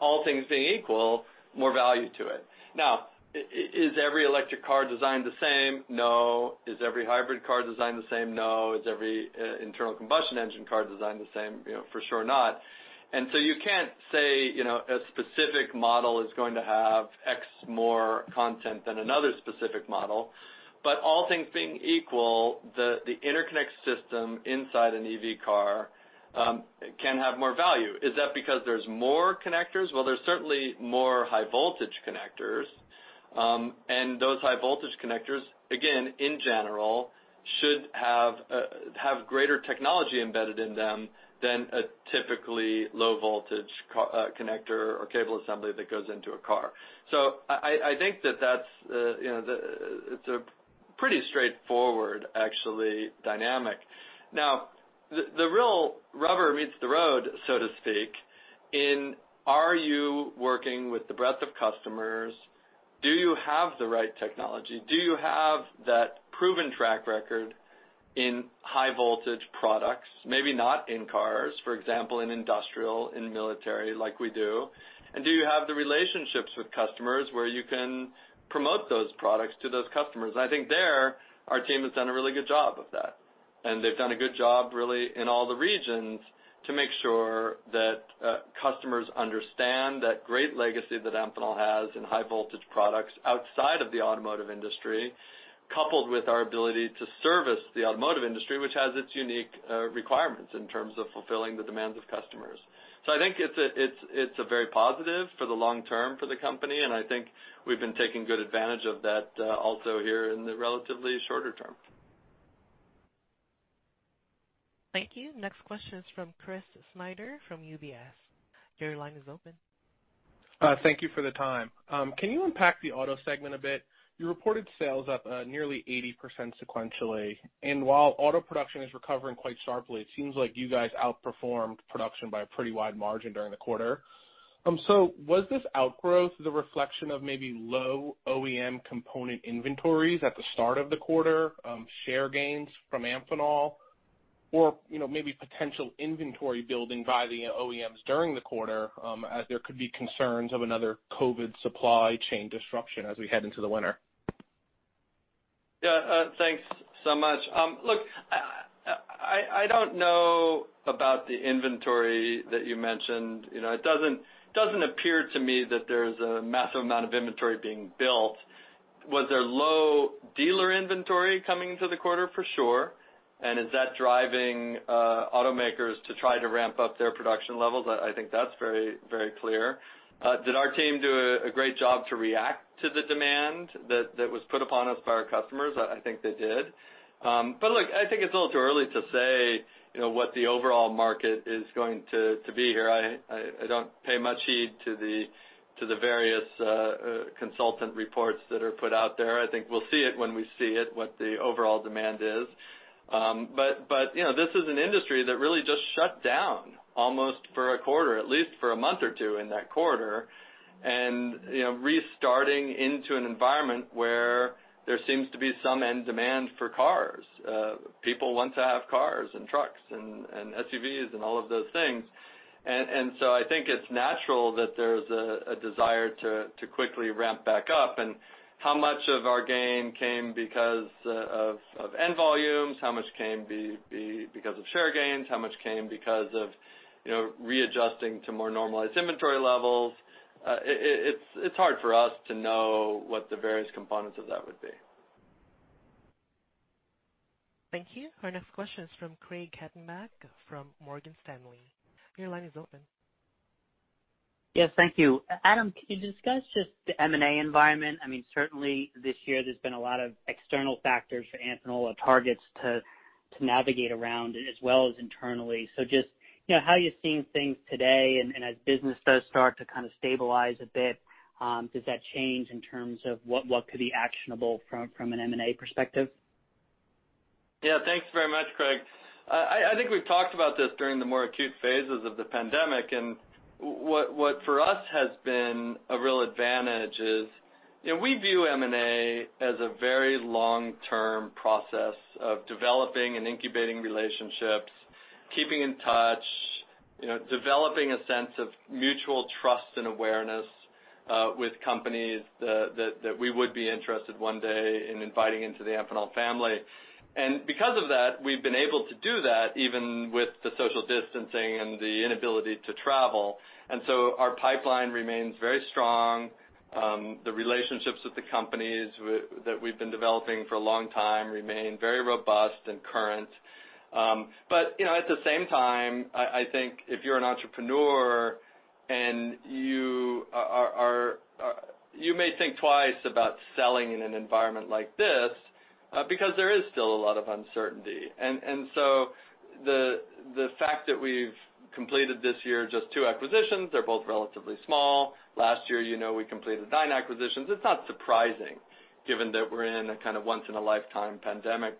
all things being equal, more value to it. Now, is every electric car designed the same? No. Is every hybrid car designed the same? No. Is every internal combustion engine car designed the same? For sure not. You can't say a specific model is going to have X more content than another specific model. All things being equal, the interconnect system inside an EV car can have more value. Is that because there's more connectors? There's certainly more high voltage connectors. Those high voltage connectors, again, in general, should have greater technology embedded in them than a typically low voltage connector or cable assembly that goes into a car. I think that it's a pretty straightforward, actually, dynamic. The real rubber meets the road, so to speak, in are you working with the breadth of customers? Do you have the right technology? Do you have that proven track record in high voltage products? Maybe not in cars, for example, in industrial, in military, like we do. Do you have the relationships with customers where you can promote those products to those customers? I think there, our team has done a really good job of that, and they've done a good job, really, in all the regions to make sure that customers understand that great legacy that Amphenol has in high voltage products outside of the automotive industry, coupled with our ability to service the automotive industry, which has its unique requirements in terms of fulfilling the demands of customers. I think it's very positive for the long term for the company, and I think we've been taking good advantage of that also here in the relatively shorter term. Thank you. Next question is from Chris Snyder from UBS. Your line is open. Thank you for the time. Can you unpack the auto segment a bit? You reported sales up nearly 80% sequentially. While auto production is recovering quite sharply, it seems like you guys outperformed production by a pretty wide margin during the quarter. Was this outgrowth the reflection of maybe low OEM component inventories at the start of the quarter, share gains from Amphenol? Or maybe potential inventory building by the OEMs during the quarter, as there could be concerns of another COVID supply chain disruption as we head into the winter. Yeah. Thanks so much. Look, I don't know about the inventory that you mentioned. It doesn't appear to me that there's a massive amount of inventory being built. Was there low dealer inventory coming into the quarter? For sure. Is that driving automakers to try to ramp up their production levels? I think that's very clear. Did our team do a great job to react to the demand that was put upon us by our customers? I think they did. Look, I think it's a little too early to say what the overall market is going to be here. I don't pay much heed to the various consultant reports that are put out there. I think we'll see it when we see it, what the overall demand is. This is an industry that really just shut down almost for a quarter, at least for a month or two in that quarter, and restarting into an environment where there seems to be some end demand for cars. People want to have cars and trucks and SUVs and all of those things. I think it's natural that there's a desire to quickly ramp back up and how much of our gain came because of end volumes, how much came because of share gains, how much came because of readjusting to more normalized inventory levels. It's hard for us to know what the various components of that would be. Thank you. Our next question is from Craig Hettenbach from Morgan Stanley. Your line is open. Yes. Thank you. Adam Norwitt, can you discuss just the M&A environment? Certainly this year, there's been a lot of external factors for Amphenol or targets to navigate around as well as internally. Just how are you seeing things today and as business does start to kind of stabilize a bit, does that change in terms of what could be actionable from an M&A perspective? Yeah, thanks very much, Craig. I think we've talked about this during the more acute phases of the pandemic, and what for us has been a real advantage is we view M&A as a very long-term process of developing and incubating relationships, keeping in touch, developing a sense of mutual trust and awareness with companies that we would be interested one day in inviting into the Amphenol family. Because of that, we've been able to do that even with the social distancing and the inability to travel, and so our pipeline remains very strong. The relationships with the companies that we've been developing for a long time remain very robust and current. At the same time, I think if you're an entrepreneur and you may think twice about selling in an environment like this because there is still a lot of uncertainty. The fact that we've completed this year, just two acquisitions, they're both relatively small. Last year, we completed nine acquisitions. It's not surprising given that we're in a kind of once in a lifetime pandemic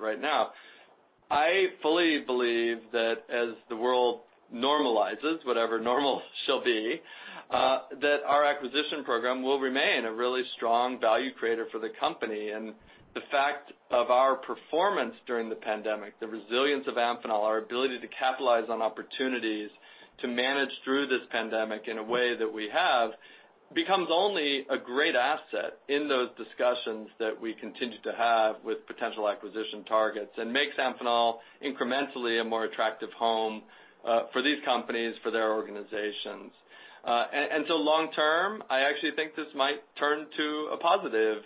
right now. I fully believe that as the world normalizes, whatever normal shall be, that our acquisition program will remain a really strong value creator for the company. The fact of our performance during the pandemic, the resilience of Amphenol, our ability to capitalize on opportunities to manage through this pandemic in a way that we have, becomes only a great asset in those discussions that we continue to have with potential acquisition targets and makes Amphenol incrementally a more attractive home for these companies, for their organizations. Long term, I actually think this might turn to a positive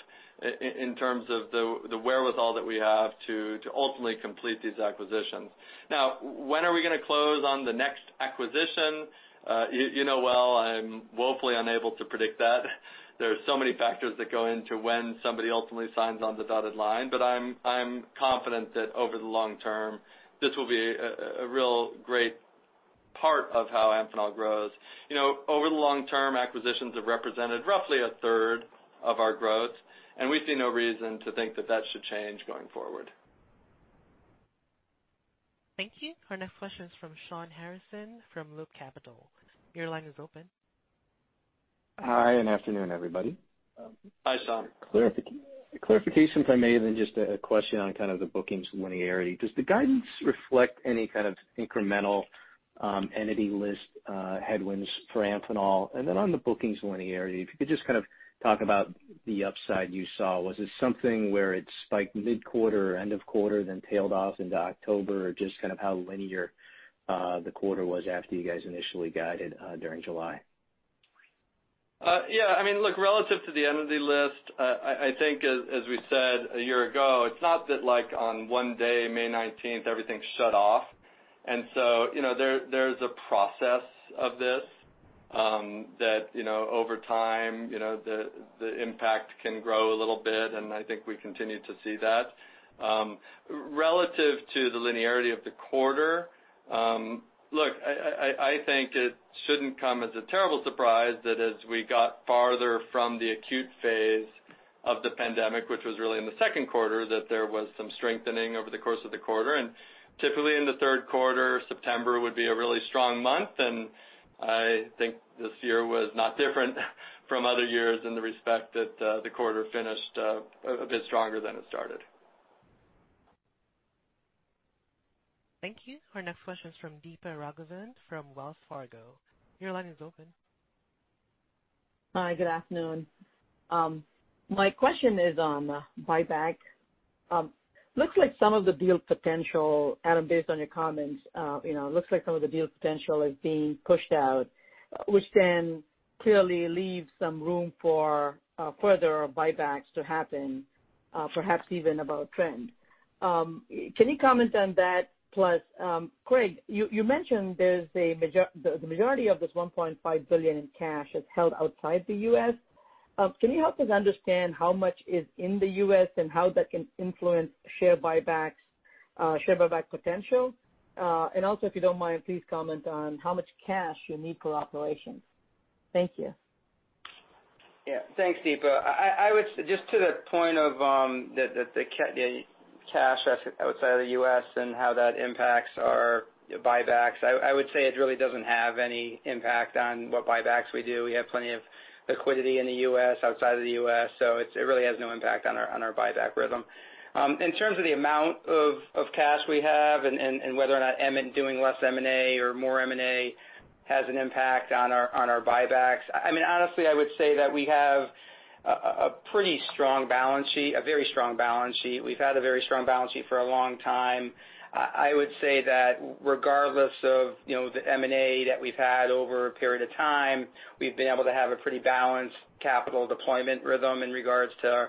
in terms of the wherewithal that we have to ultimately complete these acquisitions. Now, when are we going to close on the next acquisition? You know well I'm woefully unable to predict that. There are so many factors that go into when somebody ultimately signs on the dotted line, but I'm confident that over the long term, this will be a real great part of how Amphenol grows. Over the long term, acquisitions have represented roughly a third of our growth, and we see no reason to think that that should change going forward. Thank you. Our next question is from Shawn Harrison from Loop Capital. Your line is open. Hi, and afternoon, everybody. Hi, Shawn. Clarification, if I may, just a question on kind of the bookings linearity. Does the guidance reflect any kind of incremental Entity List headwinds for Amphenol? On the bookings linearity, if you could just kind of talk about the upside you saw. Was it something where it spiked mid-quarter or end of quarter, then tailed off into October? Just kind of how linear the quarter was after you guys initially guided during July? Yeah. Look, relative to the Entity List, I think as we said a year ago, it's not that on one day, May 19th, everything shut off. There's a process of this that over time the impact can grow a little bit, and I think we continue to see that. Relative to the linearity of the quarter, look, I think it shouldn't come as a terrible surprise that as we got farther from the acute phase of the pandemic, which was really in the second quarter, that there was some strengthening over the course of the quarter. Typically in the third quarter, September would be a really strong month, and I think this year was not different from other years in the respect that the quarter finished a bit stronger than it started. Thank you. Our next question is from Deepa Raghavan from Wells Fargo. Your line is open. Hi, good afternoon. My question is on buyback. Adam, based on your comments, it looks like some of the deal potential is being pushed out, which then clearly leaves some room for further buybacks to happen, perhaps even above trend. Can you comment on that? Craig, you mentioned the majority of this $1.5 billion in cash is held outside the U.S. Can you help us understand how much is in the U.S. and how that can influence share buyback potential? Also, if you don't mind, please comment on how much cash you need for operations. Thank you. Yeah. Thanks, Deepa. Just to the point of the cash outside of the U.S. and how that impacts our buybacks, I would say it really doesn't have any impact on what buybacks we do. We have plenty of liquidity in the U.S., outside of the U.S. It really has no impact on our buyback rhythm. In terms of the amount of cash we have and whether or not doing less M&A or more M&A has an impact on our buybacks, honestly, I would say that we have a very strong balance sheet. We've had a very strong balance sheet for a long time. I would say that regardless of the M&A that we've had over a period of time, we've been able to have a pretty balanced capital deployment rhythm in regards to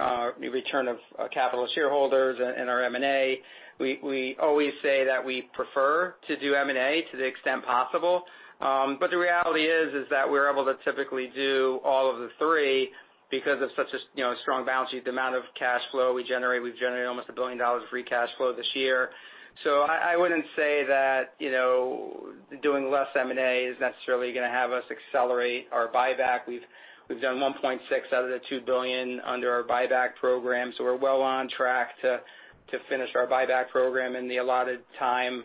our return of capital to shareholders and our M&A. We always say that we prefer to do M&A to the extent possible. The reality is that we're able to typically do all of the three because of such a strong balance sheet, the amount of cash flow we generate. We've generated almost $1 billion of free cash flow this year. I wouldn't say that doing less M&A is necessarily going to have us accelerate our buyback. We've done $1.6 billion out of the $2 billion under our buyback program, we're well on track to finish our buyback program in the allotted time,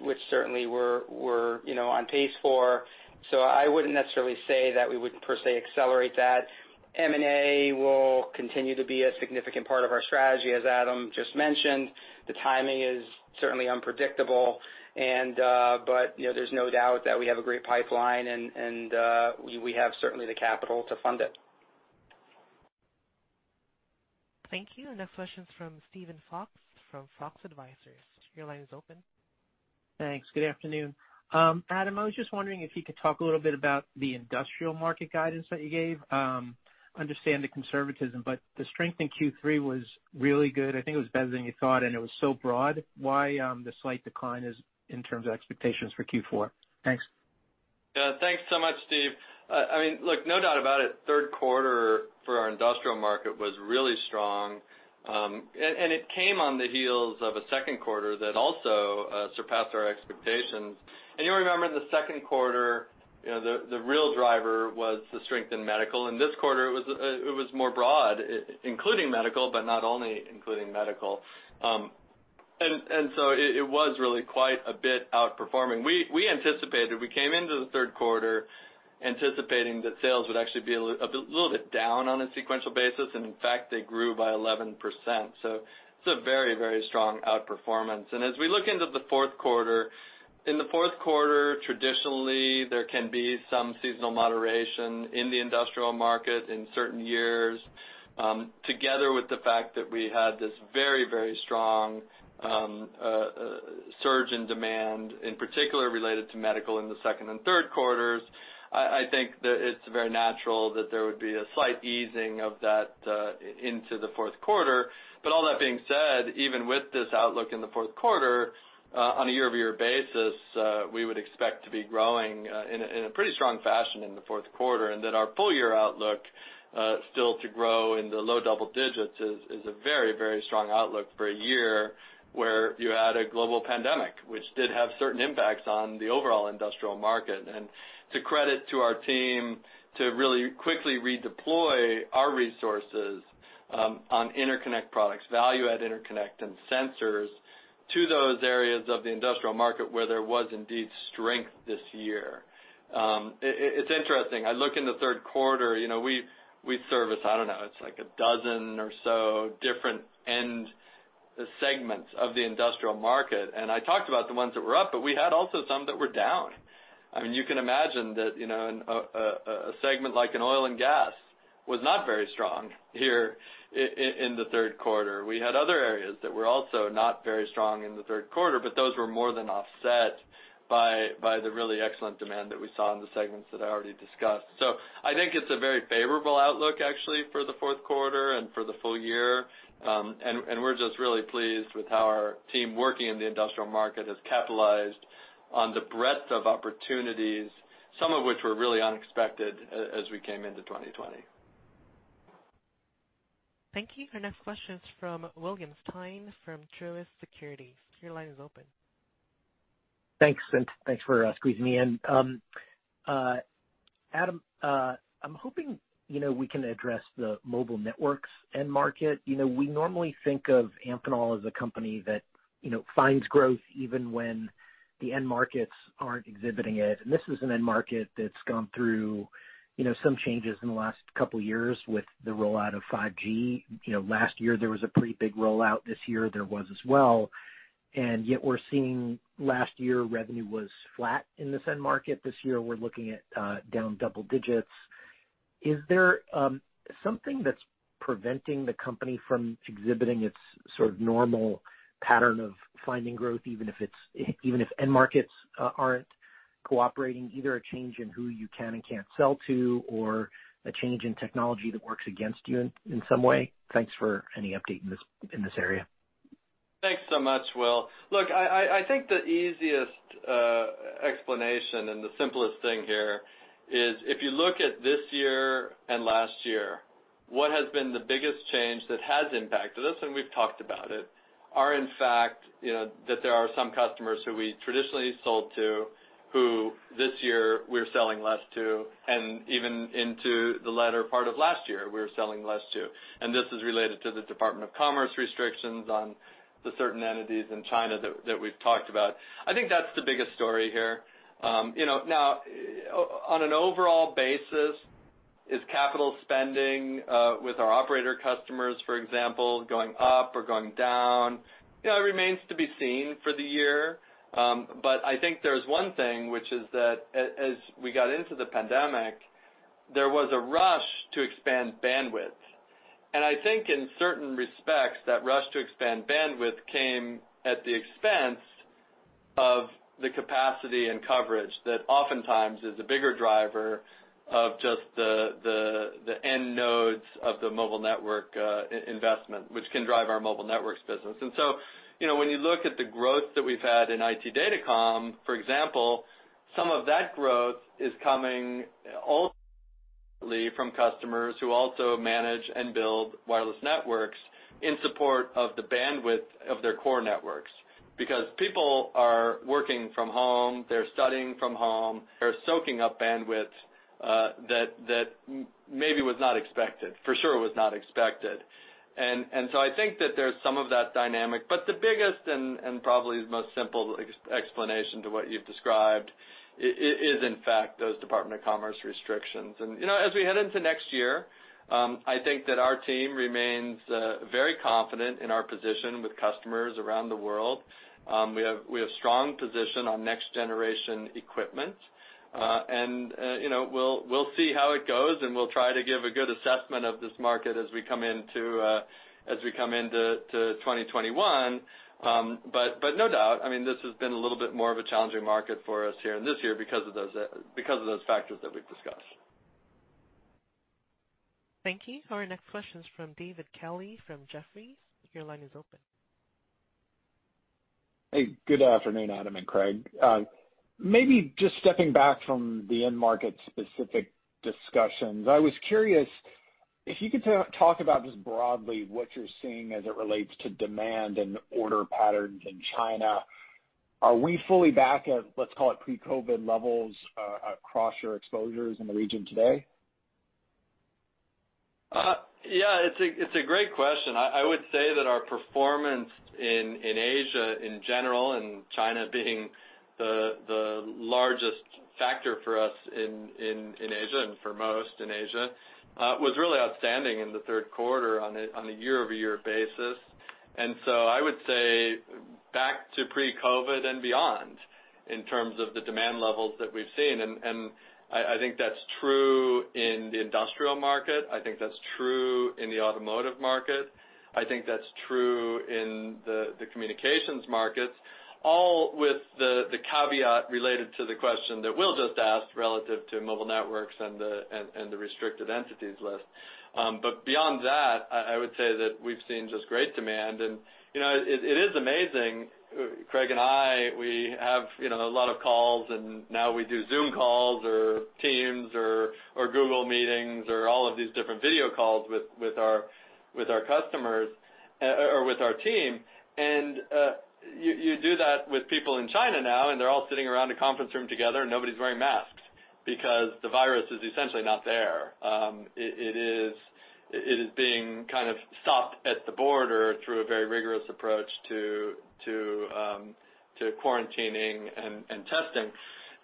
which certainly we're on pace for. I wouldn't necessarily say that we would per se accelerate that. M&A will continue to be a significant part of our strategy, as Adam Norwitt just mentioned. The timing is certainly unpredictable, but there's no doubt that we have a great pipeline, and we have certainly the capital to fund it. Thank you. The next question's from Steven Fox from Fox Advisors. Your line is open. Thanks. Good afternoon. Adam Norwitt, I was just wondering if you could talk a little bit about the industrial market guidance that you gave. I understand the conservatism, but the strength in Q3 was really good. I think it was better than you thought, and it was so broad. Why the slight decline in terms of expectations for Q4? Thanks. Yeah. Thanks so much, Steve. Look, no doubt about it, third quarter for our industrial market was really strong, and it came on the heels of a second quarter that also surpassed our expectations. You remember in the second quarter, the real driver was the strength in medical. In this quarter, it was more broad, including medical, but not only including medical. It was really quite a bit outperforming. We came into the third quarter anticipating that sales would actually be a little bit down on a sequential basis, and in fact, they grew by 11%. It's a very strong outperformance. As we look into the fourth quarter, in the fourth quarter, traditionally, there can be some seasonal moderation in the industrial market in certain years, together with the fact that we had this very strong surge in demand, in particular related to medical in the second and third quarters. I think that it's very natural that there would be a slight easing of that into the fourth quarter. All that being said, even with this outlook in the fourth quarter, on a year-over-year basis, we would expect to be growing in a pretty strong fashion in the fourth quarter, and that our full-year outlook still to grow in the low double digits is a very strong outlook for a year where you had a global pandemic, which did have certain impacts on the overall industrial market. To credit to our team to really quickly redeploy our resources on interconnect products, value-add interconnect and sensors to those areas of the industrial market where there was indeed strength this year. It's interesting. I look in the third quarter. We service, I don't know, it's like a dozen or so different end segments of the industrial market, and I talked about the ones that were up, but we had also some that were down. You can imagine that a segment like in oil and gas was not very strong here in the third quarter. We had other areas that were also not very strong in the third quarter, but those were more than offset by the really excellent demand that we saw in the segments that I already discussed. I think it's a very favorable outlook, actually, for the fourth quarter and for the full year. We're just really pleased with how our team working in the industrial market has capitalized on the breadth of opportunities, some of which were really unexpected as we came into 2020. Thank you. Our next question is from William Stein from Truist Securities. Your line is open. Thanks. Thanks for squeezing me in. Adam, I'm hoping we can address the mobile networks end market. We normally think of Amphenol as a company that finds growth even when the end markets aren't exhibiting it. This is an end market that's gone through some changes in the last couple of years with the rollout of 5G. Last year, there was a pretty big rollout. This year, there was as well, and yet we're seeing last year revenue was flat in this end market. This year, we're looking at down double digits. Is there something that's preventing the company from exhibiting its sort of normal pattern of finding growth, even if end markets aren't cooperating, either a change in who you can and can't sell to or a change in technology that works against you in some way? Thanks for any update in this area. Thanks so much, Will. Look, I think the easiest explanation and the simplest thing here is if you look at this year and last year, what has been the biggest change that has impacted us, and we've talked about it, are in fact that there are some customers who we traditionally sold to who this year we're selling less to, and even into the latter part of last year, we were selling less to. This is related to the Department of Commerce restrictions on the certain entities in China that we've talked about. I think that's the biggest story here. On an overall basis, is capital spending with our operator customers, for example, going up or going down? It remains to be seen for the year. I think there's one thing, which is that as we got into the pandemic, there was a rush to expand bandwidth. I think in certain respects, that rush to expand bandwidth came at the expense of the capacity and coverage that oftentimes is a bigger driver of just the end nodes of the mobile network investment, which can drive our mobile networks business. When you look at the growth that we've had in IT Datacom, for example, some of that growth is coming ultimately from customers who also manage and build wireless networks in support of the bandwidth of their core networks. Because people are working from home, they're studying from home, they're soaking up bandwidth that maybe was not expected. For sure was not expected. I think that there's some of that dynamic, but the biggest and probably the most simple explanation to what you've described is in fact those Department of Commerce restrictions. As we head into next year, I think that our team remains very confident in our position with customers around the world. We have a strong position on next-generation equipment. We'll see how it goes, and we'll try to give a good assessment of this market as we come into 2021. No doubt, this has been a little bit more of a challenging market for us here in this year because of those factors that we've discussed. Thank you. Our next question is from David Kelley from Jefferies. Your line is open. Hey, good afternoon, Adam and Craig. Maybe just stepping back from the end market-specific discussions. I was curious if you could talk about just broadly what you're seeing as it relates to demand and order patterns in China. Are we fully back at, let's call it, pre-COVID levels across your exposures in the region today? Yeah, it's a great question. I would say that our performance in Asia in general, and China being the largest factor for us in Asia and for most in Asia, was really outstanding in the third quarter on a year-over-year basis. I would say back to pre-COVID and beyond in terms of the demand levels that we've seen. I think that's true in the industrial market. I think that's true in the automotive market. I think that's true in the communications markets, all with the caveat related to the question that Will just asked relative to mobile networks and the Restricted Entity List. Beyond that, I would say that we've seen just great demand. It is amazing. Craig and I, we have a lot of calls and now we do Zoom calls or Teams or Google meetings or all of these different video calls with our customers or with our team. You do that with people in China now, and they're all sitting around a conference room together and nobody's wearing masks because the virus is essentially not there. It is being kind of stopped at the border through a very rigorous approach to quarantining and testing.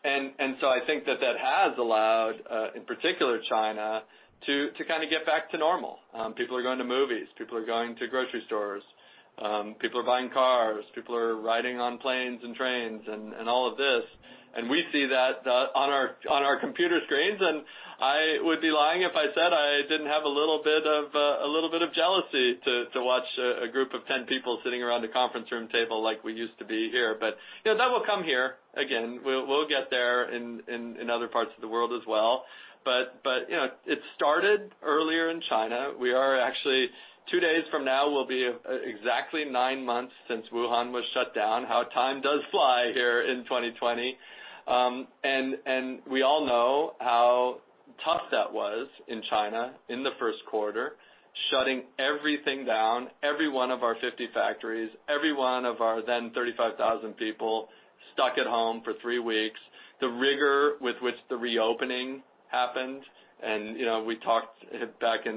I think that that has allowed, in particular China, to kind of get back to normal. People are going to movies. People are going to grocery stores. People are buying cars. People are riding on planes and trains and all of this. We see that on our computer screens, and I would be lying if I said I didn't have a little bit of jealousy to watch a group of 10 people sitting around a conference room table like we used to be here. That will come here again. We'll get there in other parts of the world as well. It started earlier in China. We are actually two days from now will be exactly nine months since Wuhan was shut down. How time does fly here in 2020. We all know how tough that was in China in the first quarter, shutting everything down, every one of our 50 factories, every one of our then 35,000 people stuck at home for three weeks, the rigor with which the reopening happened. We talked back at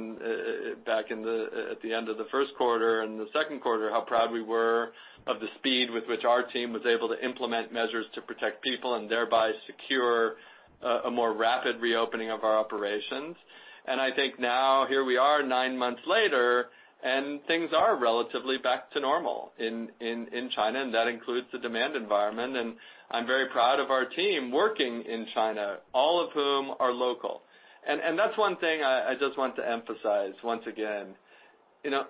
the end of the first quarter, and the second quarter, how proud we were of the speed with which our team was able to implement measures to protect people and thereby secure a more rapid reopening of our operations. I think now here we are nine months later, and things are relatively back to normal in China, and that includes the demand environment. I'm very proud of our team working in China, all of whom are local. That's one thing I just want to emphasize once again.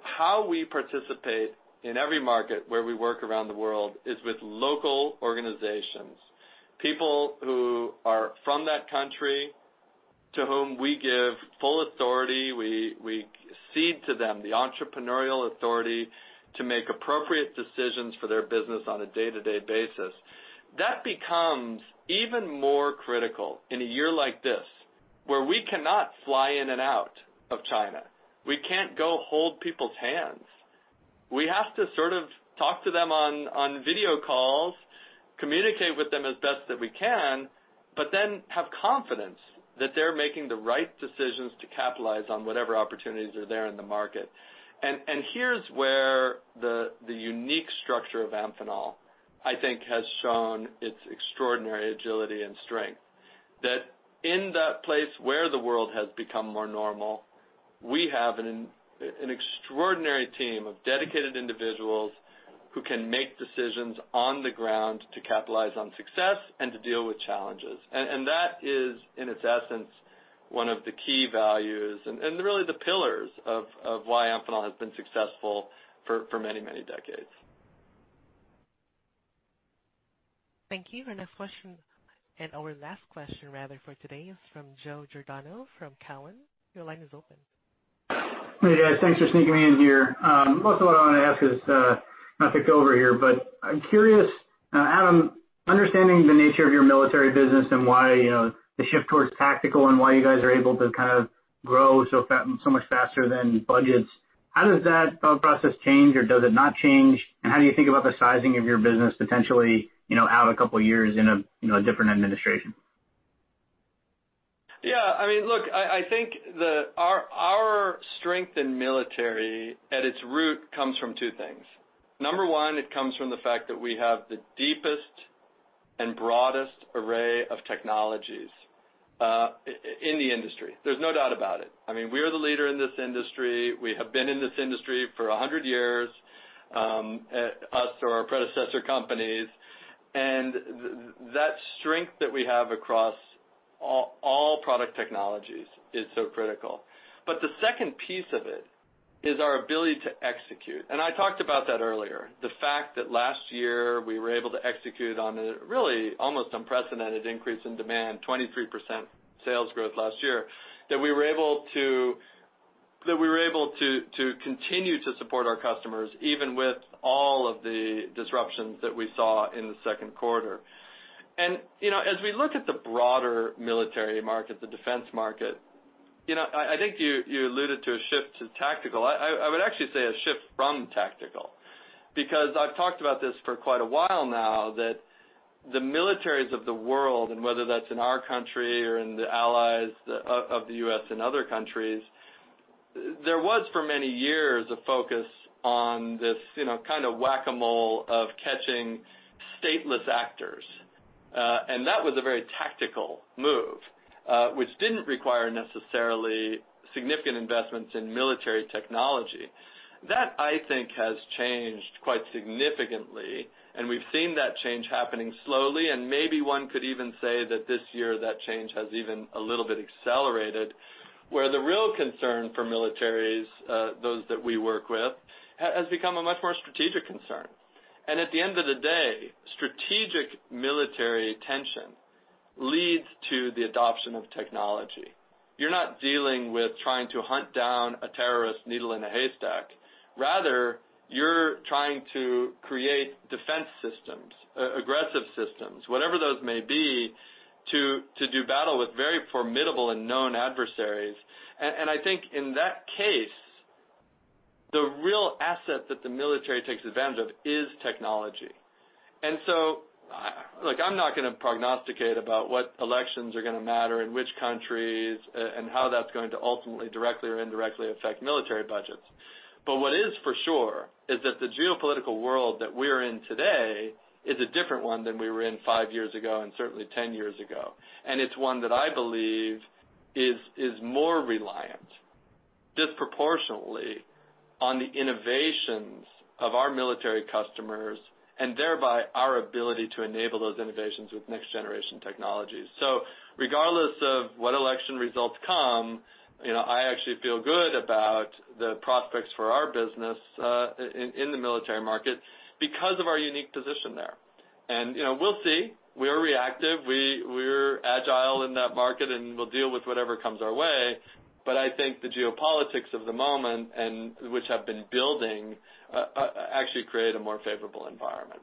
How we participate in every market where we work around the world is with local organizations, people who are from that country, to whom we give full authority. We cede to them the entrepreneurial authority to make appropriate decisions for their business on a day-to-day basis. That becomes even more critical in a year like this, where we cannot fly in and out of China. We can't go hold people's hands. We have to sort of talk to them on video calls, communicate with them as best that we can, but then have confidence that they're making the right decisions to capitalize on whatever opportunities are there in the market. Here's where the unique structure of Amphenol, I think, has shown its extraordinary agility and strength. In that place where the world has become more normal, we have an extraordinary team of dedicated individuals who can make decisions on the ground to capitalize on success and to deal with challenges. That is, in its essence, one of the key values and really the pillars of why Amphenol has been successful for many, many decades. Thank you. Our next question, and our last question rather for today is from Joe Giordano from Cowen. Your line is open. Hey, guys, thanks for sneaking me in here. Most of what I want to ask is not to go over here, but I'm curious, Adam, understanding the nature of your military business and why the shift towards tactical and why you guys are able to kind of grow so much faster than budgets, how does that process change or does it not change? How do you think about the sizing of your business potentially out a couple of years in a different administration? Yeah, I think our strength in military at its root comes from two things. Number one, it comes from the fact that we have the deepest and broadest array of technologies, in the industry. There's no doubt about it. We are the leader in this industry. We have been in this industry for 100 years, us or our predecessor companies. That strength that we have across all product technologies is so critical. The second piece of it is our ability to execute. I talked about that earlier. The fact that last year we were able to execute on a really almost unprecedented increase in demand, 23% sales growth last year, that we were able to continue to support our customers, even with all of the disruptions that we saw in the second quarter. As we look at the broader military market, the defense market, I think you alluded to a shift to tactical. I would actually say a shift from tactical, because I've talked about this for quite a while now, that the militaries of the world, and whether that's in our country or in the allies of the U.S. and other countries, there was, for many years, a focus on this kind of whack-a-mole of catching stateless actors. That was a very tactical move, which didn't require necessarily significant investments in military technology. That, I think, has changed quite significantly, and we've seen that change happening slowly, and maybe one could even say that this year that change has even a little bit accelerated, where the real concern for militaries, those that we work with, has become a much more strategic concern. At the end of the day, strategic military tension leads to the adoption of technology. You're not dealing with trying to hunt down a terrorist needle in a haystack. Rather, you're trying to create defense systems, aggressive systems, whatever those may be, to do battle with very formidable and known adversaries. I think in that case, the real asset that the military takes advantage of is technology. I'm not going to prognosticate about what elections are going to matter in which countries and how that's going to ultimately, directly or indirectly affect military budgets. What is for sure is that the geopolitical world that we're in today is a different one than we were in five years ago and certainly 10 years ago. It's one that I believe is more reliant, disproportionately, on the innovations of our military customers, and thereby our ability to enable those innovations with next-generation technology. Regardless of what election results come, I actually feel good about the prospects for our business in the military market because of our unique position there. We'll see. We are reactive. We're agile in that market, and we'll deal with whatever comes our way. I think the geopolitics of the moment, and which have been building, actually create a more favorable environment.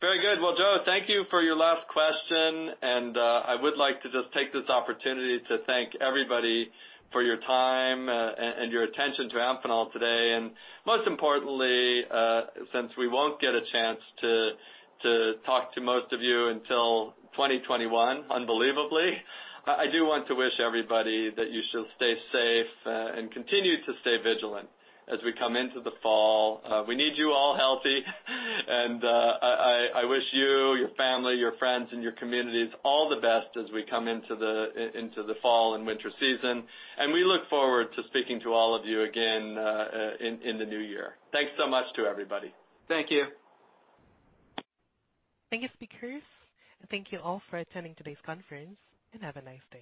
Very good. Well, Joe, thank you for your last question, and I would like to just take this opportunity to thank everybody for your time and your attention to Amphenol today. Most importantly, since we won't get a chance to talk to most of you until 2021, unbelievably, I do want to wish everybody that you should stay safe and continue to stay vigilant as we come into the fall. We need you all healthy, and I wish you, your family, your friends, and your communities all the best as we come into the fall and winter season. We look forward to speaking to all of you again in the new year. Thanks so much to everybody. Thank you. Thank you, speakers. Thank you all for attending today's conference, and have a nice day.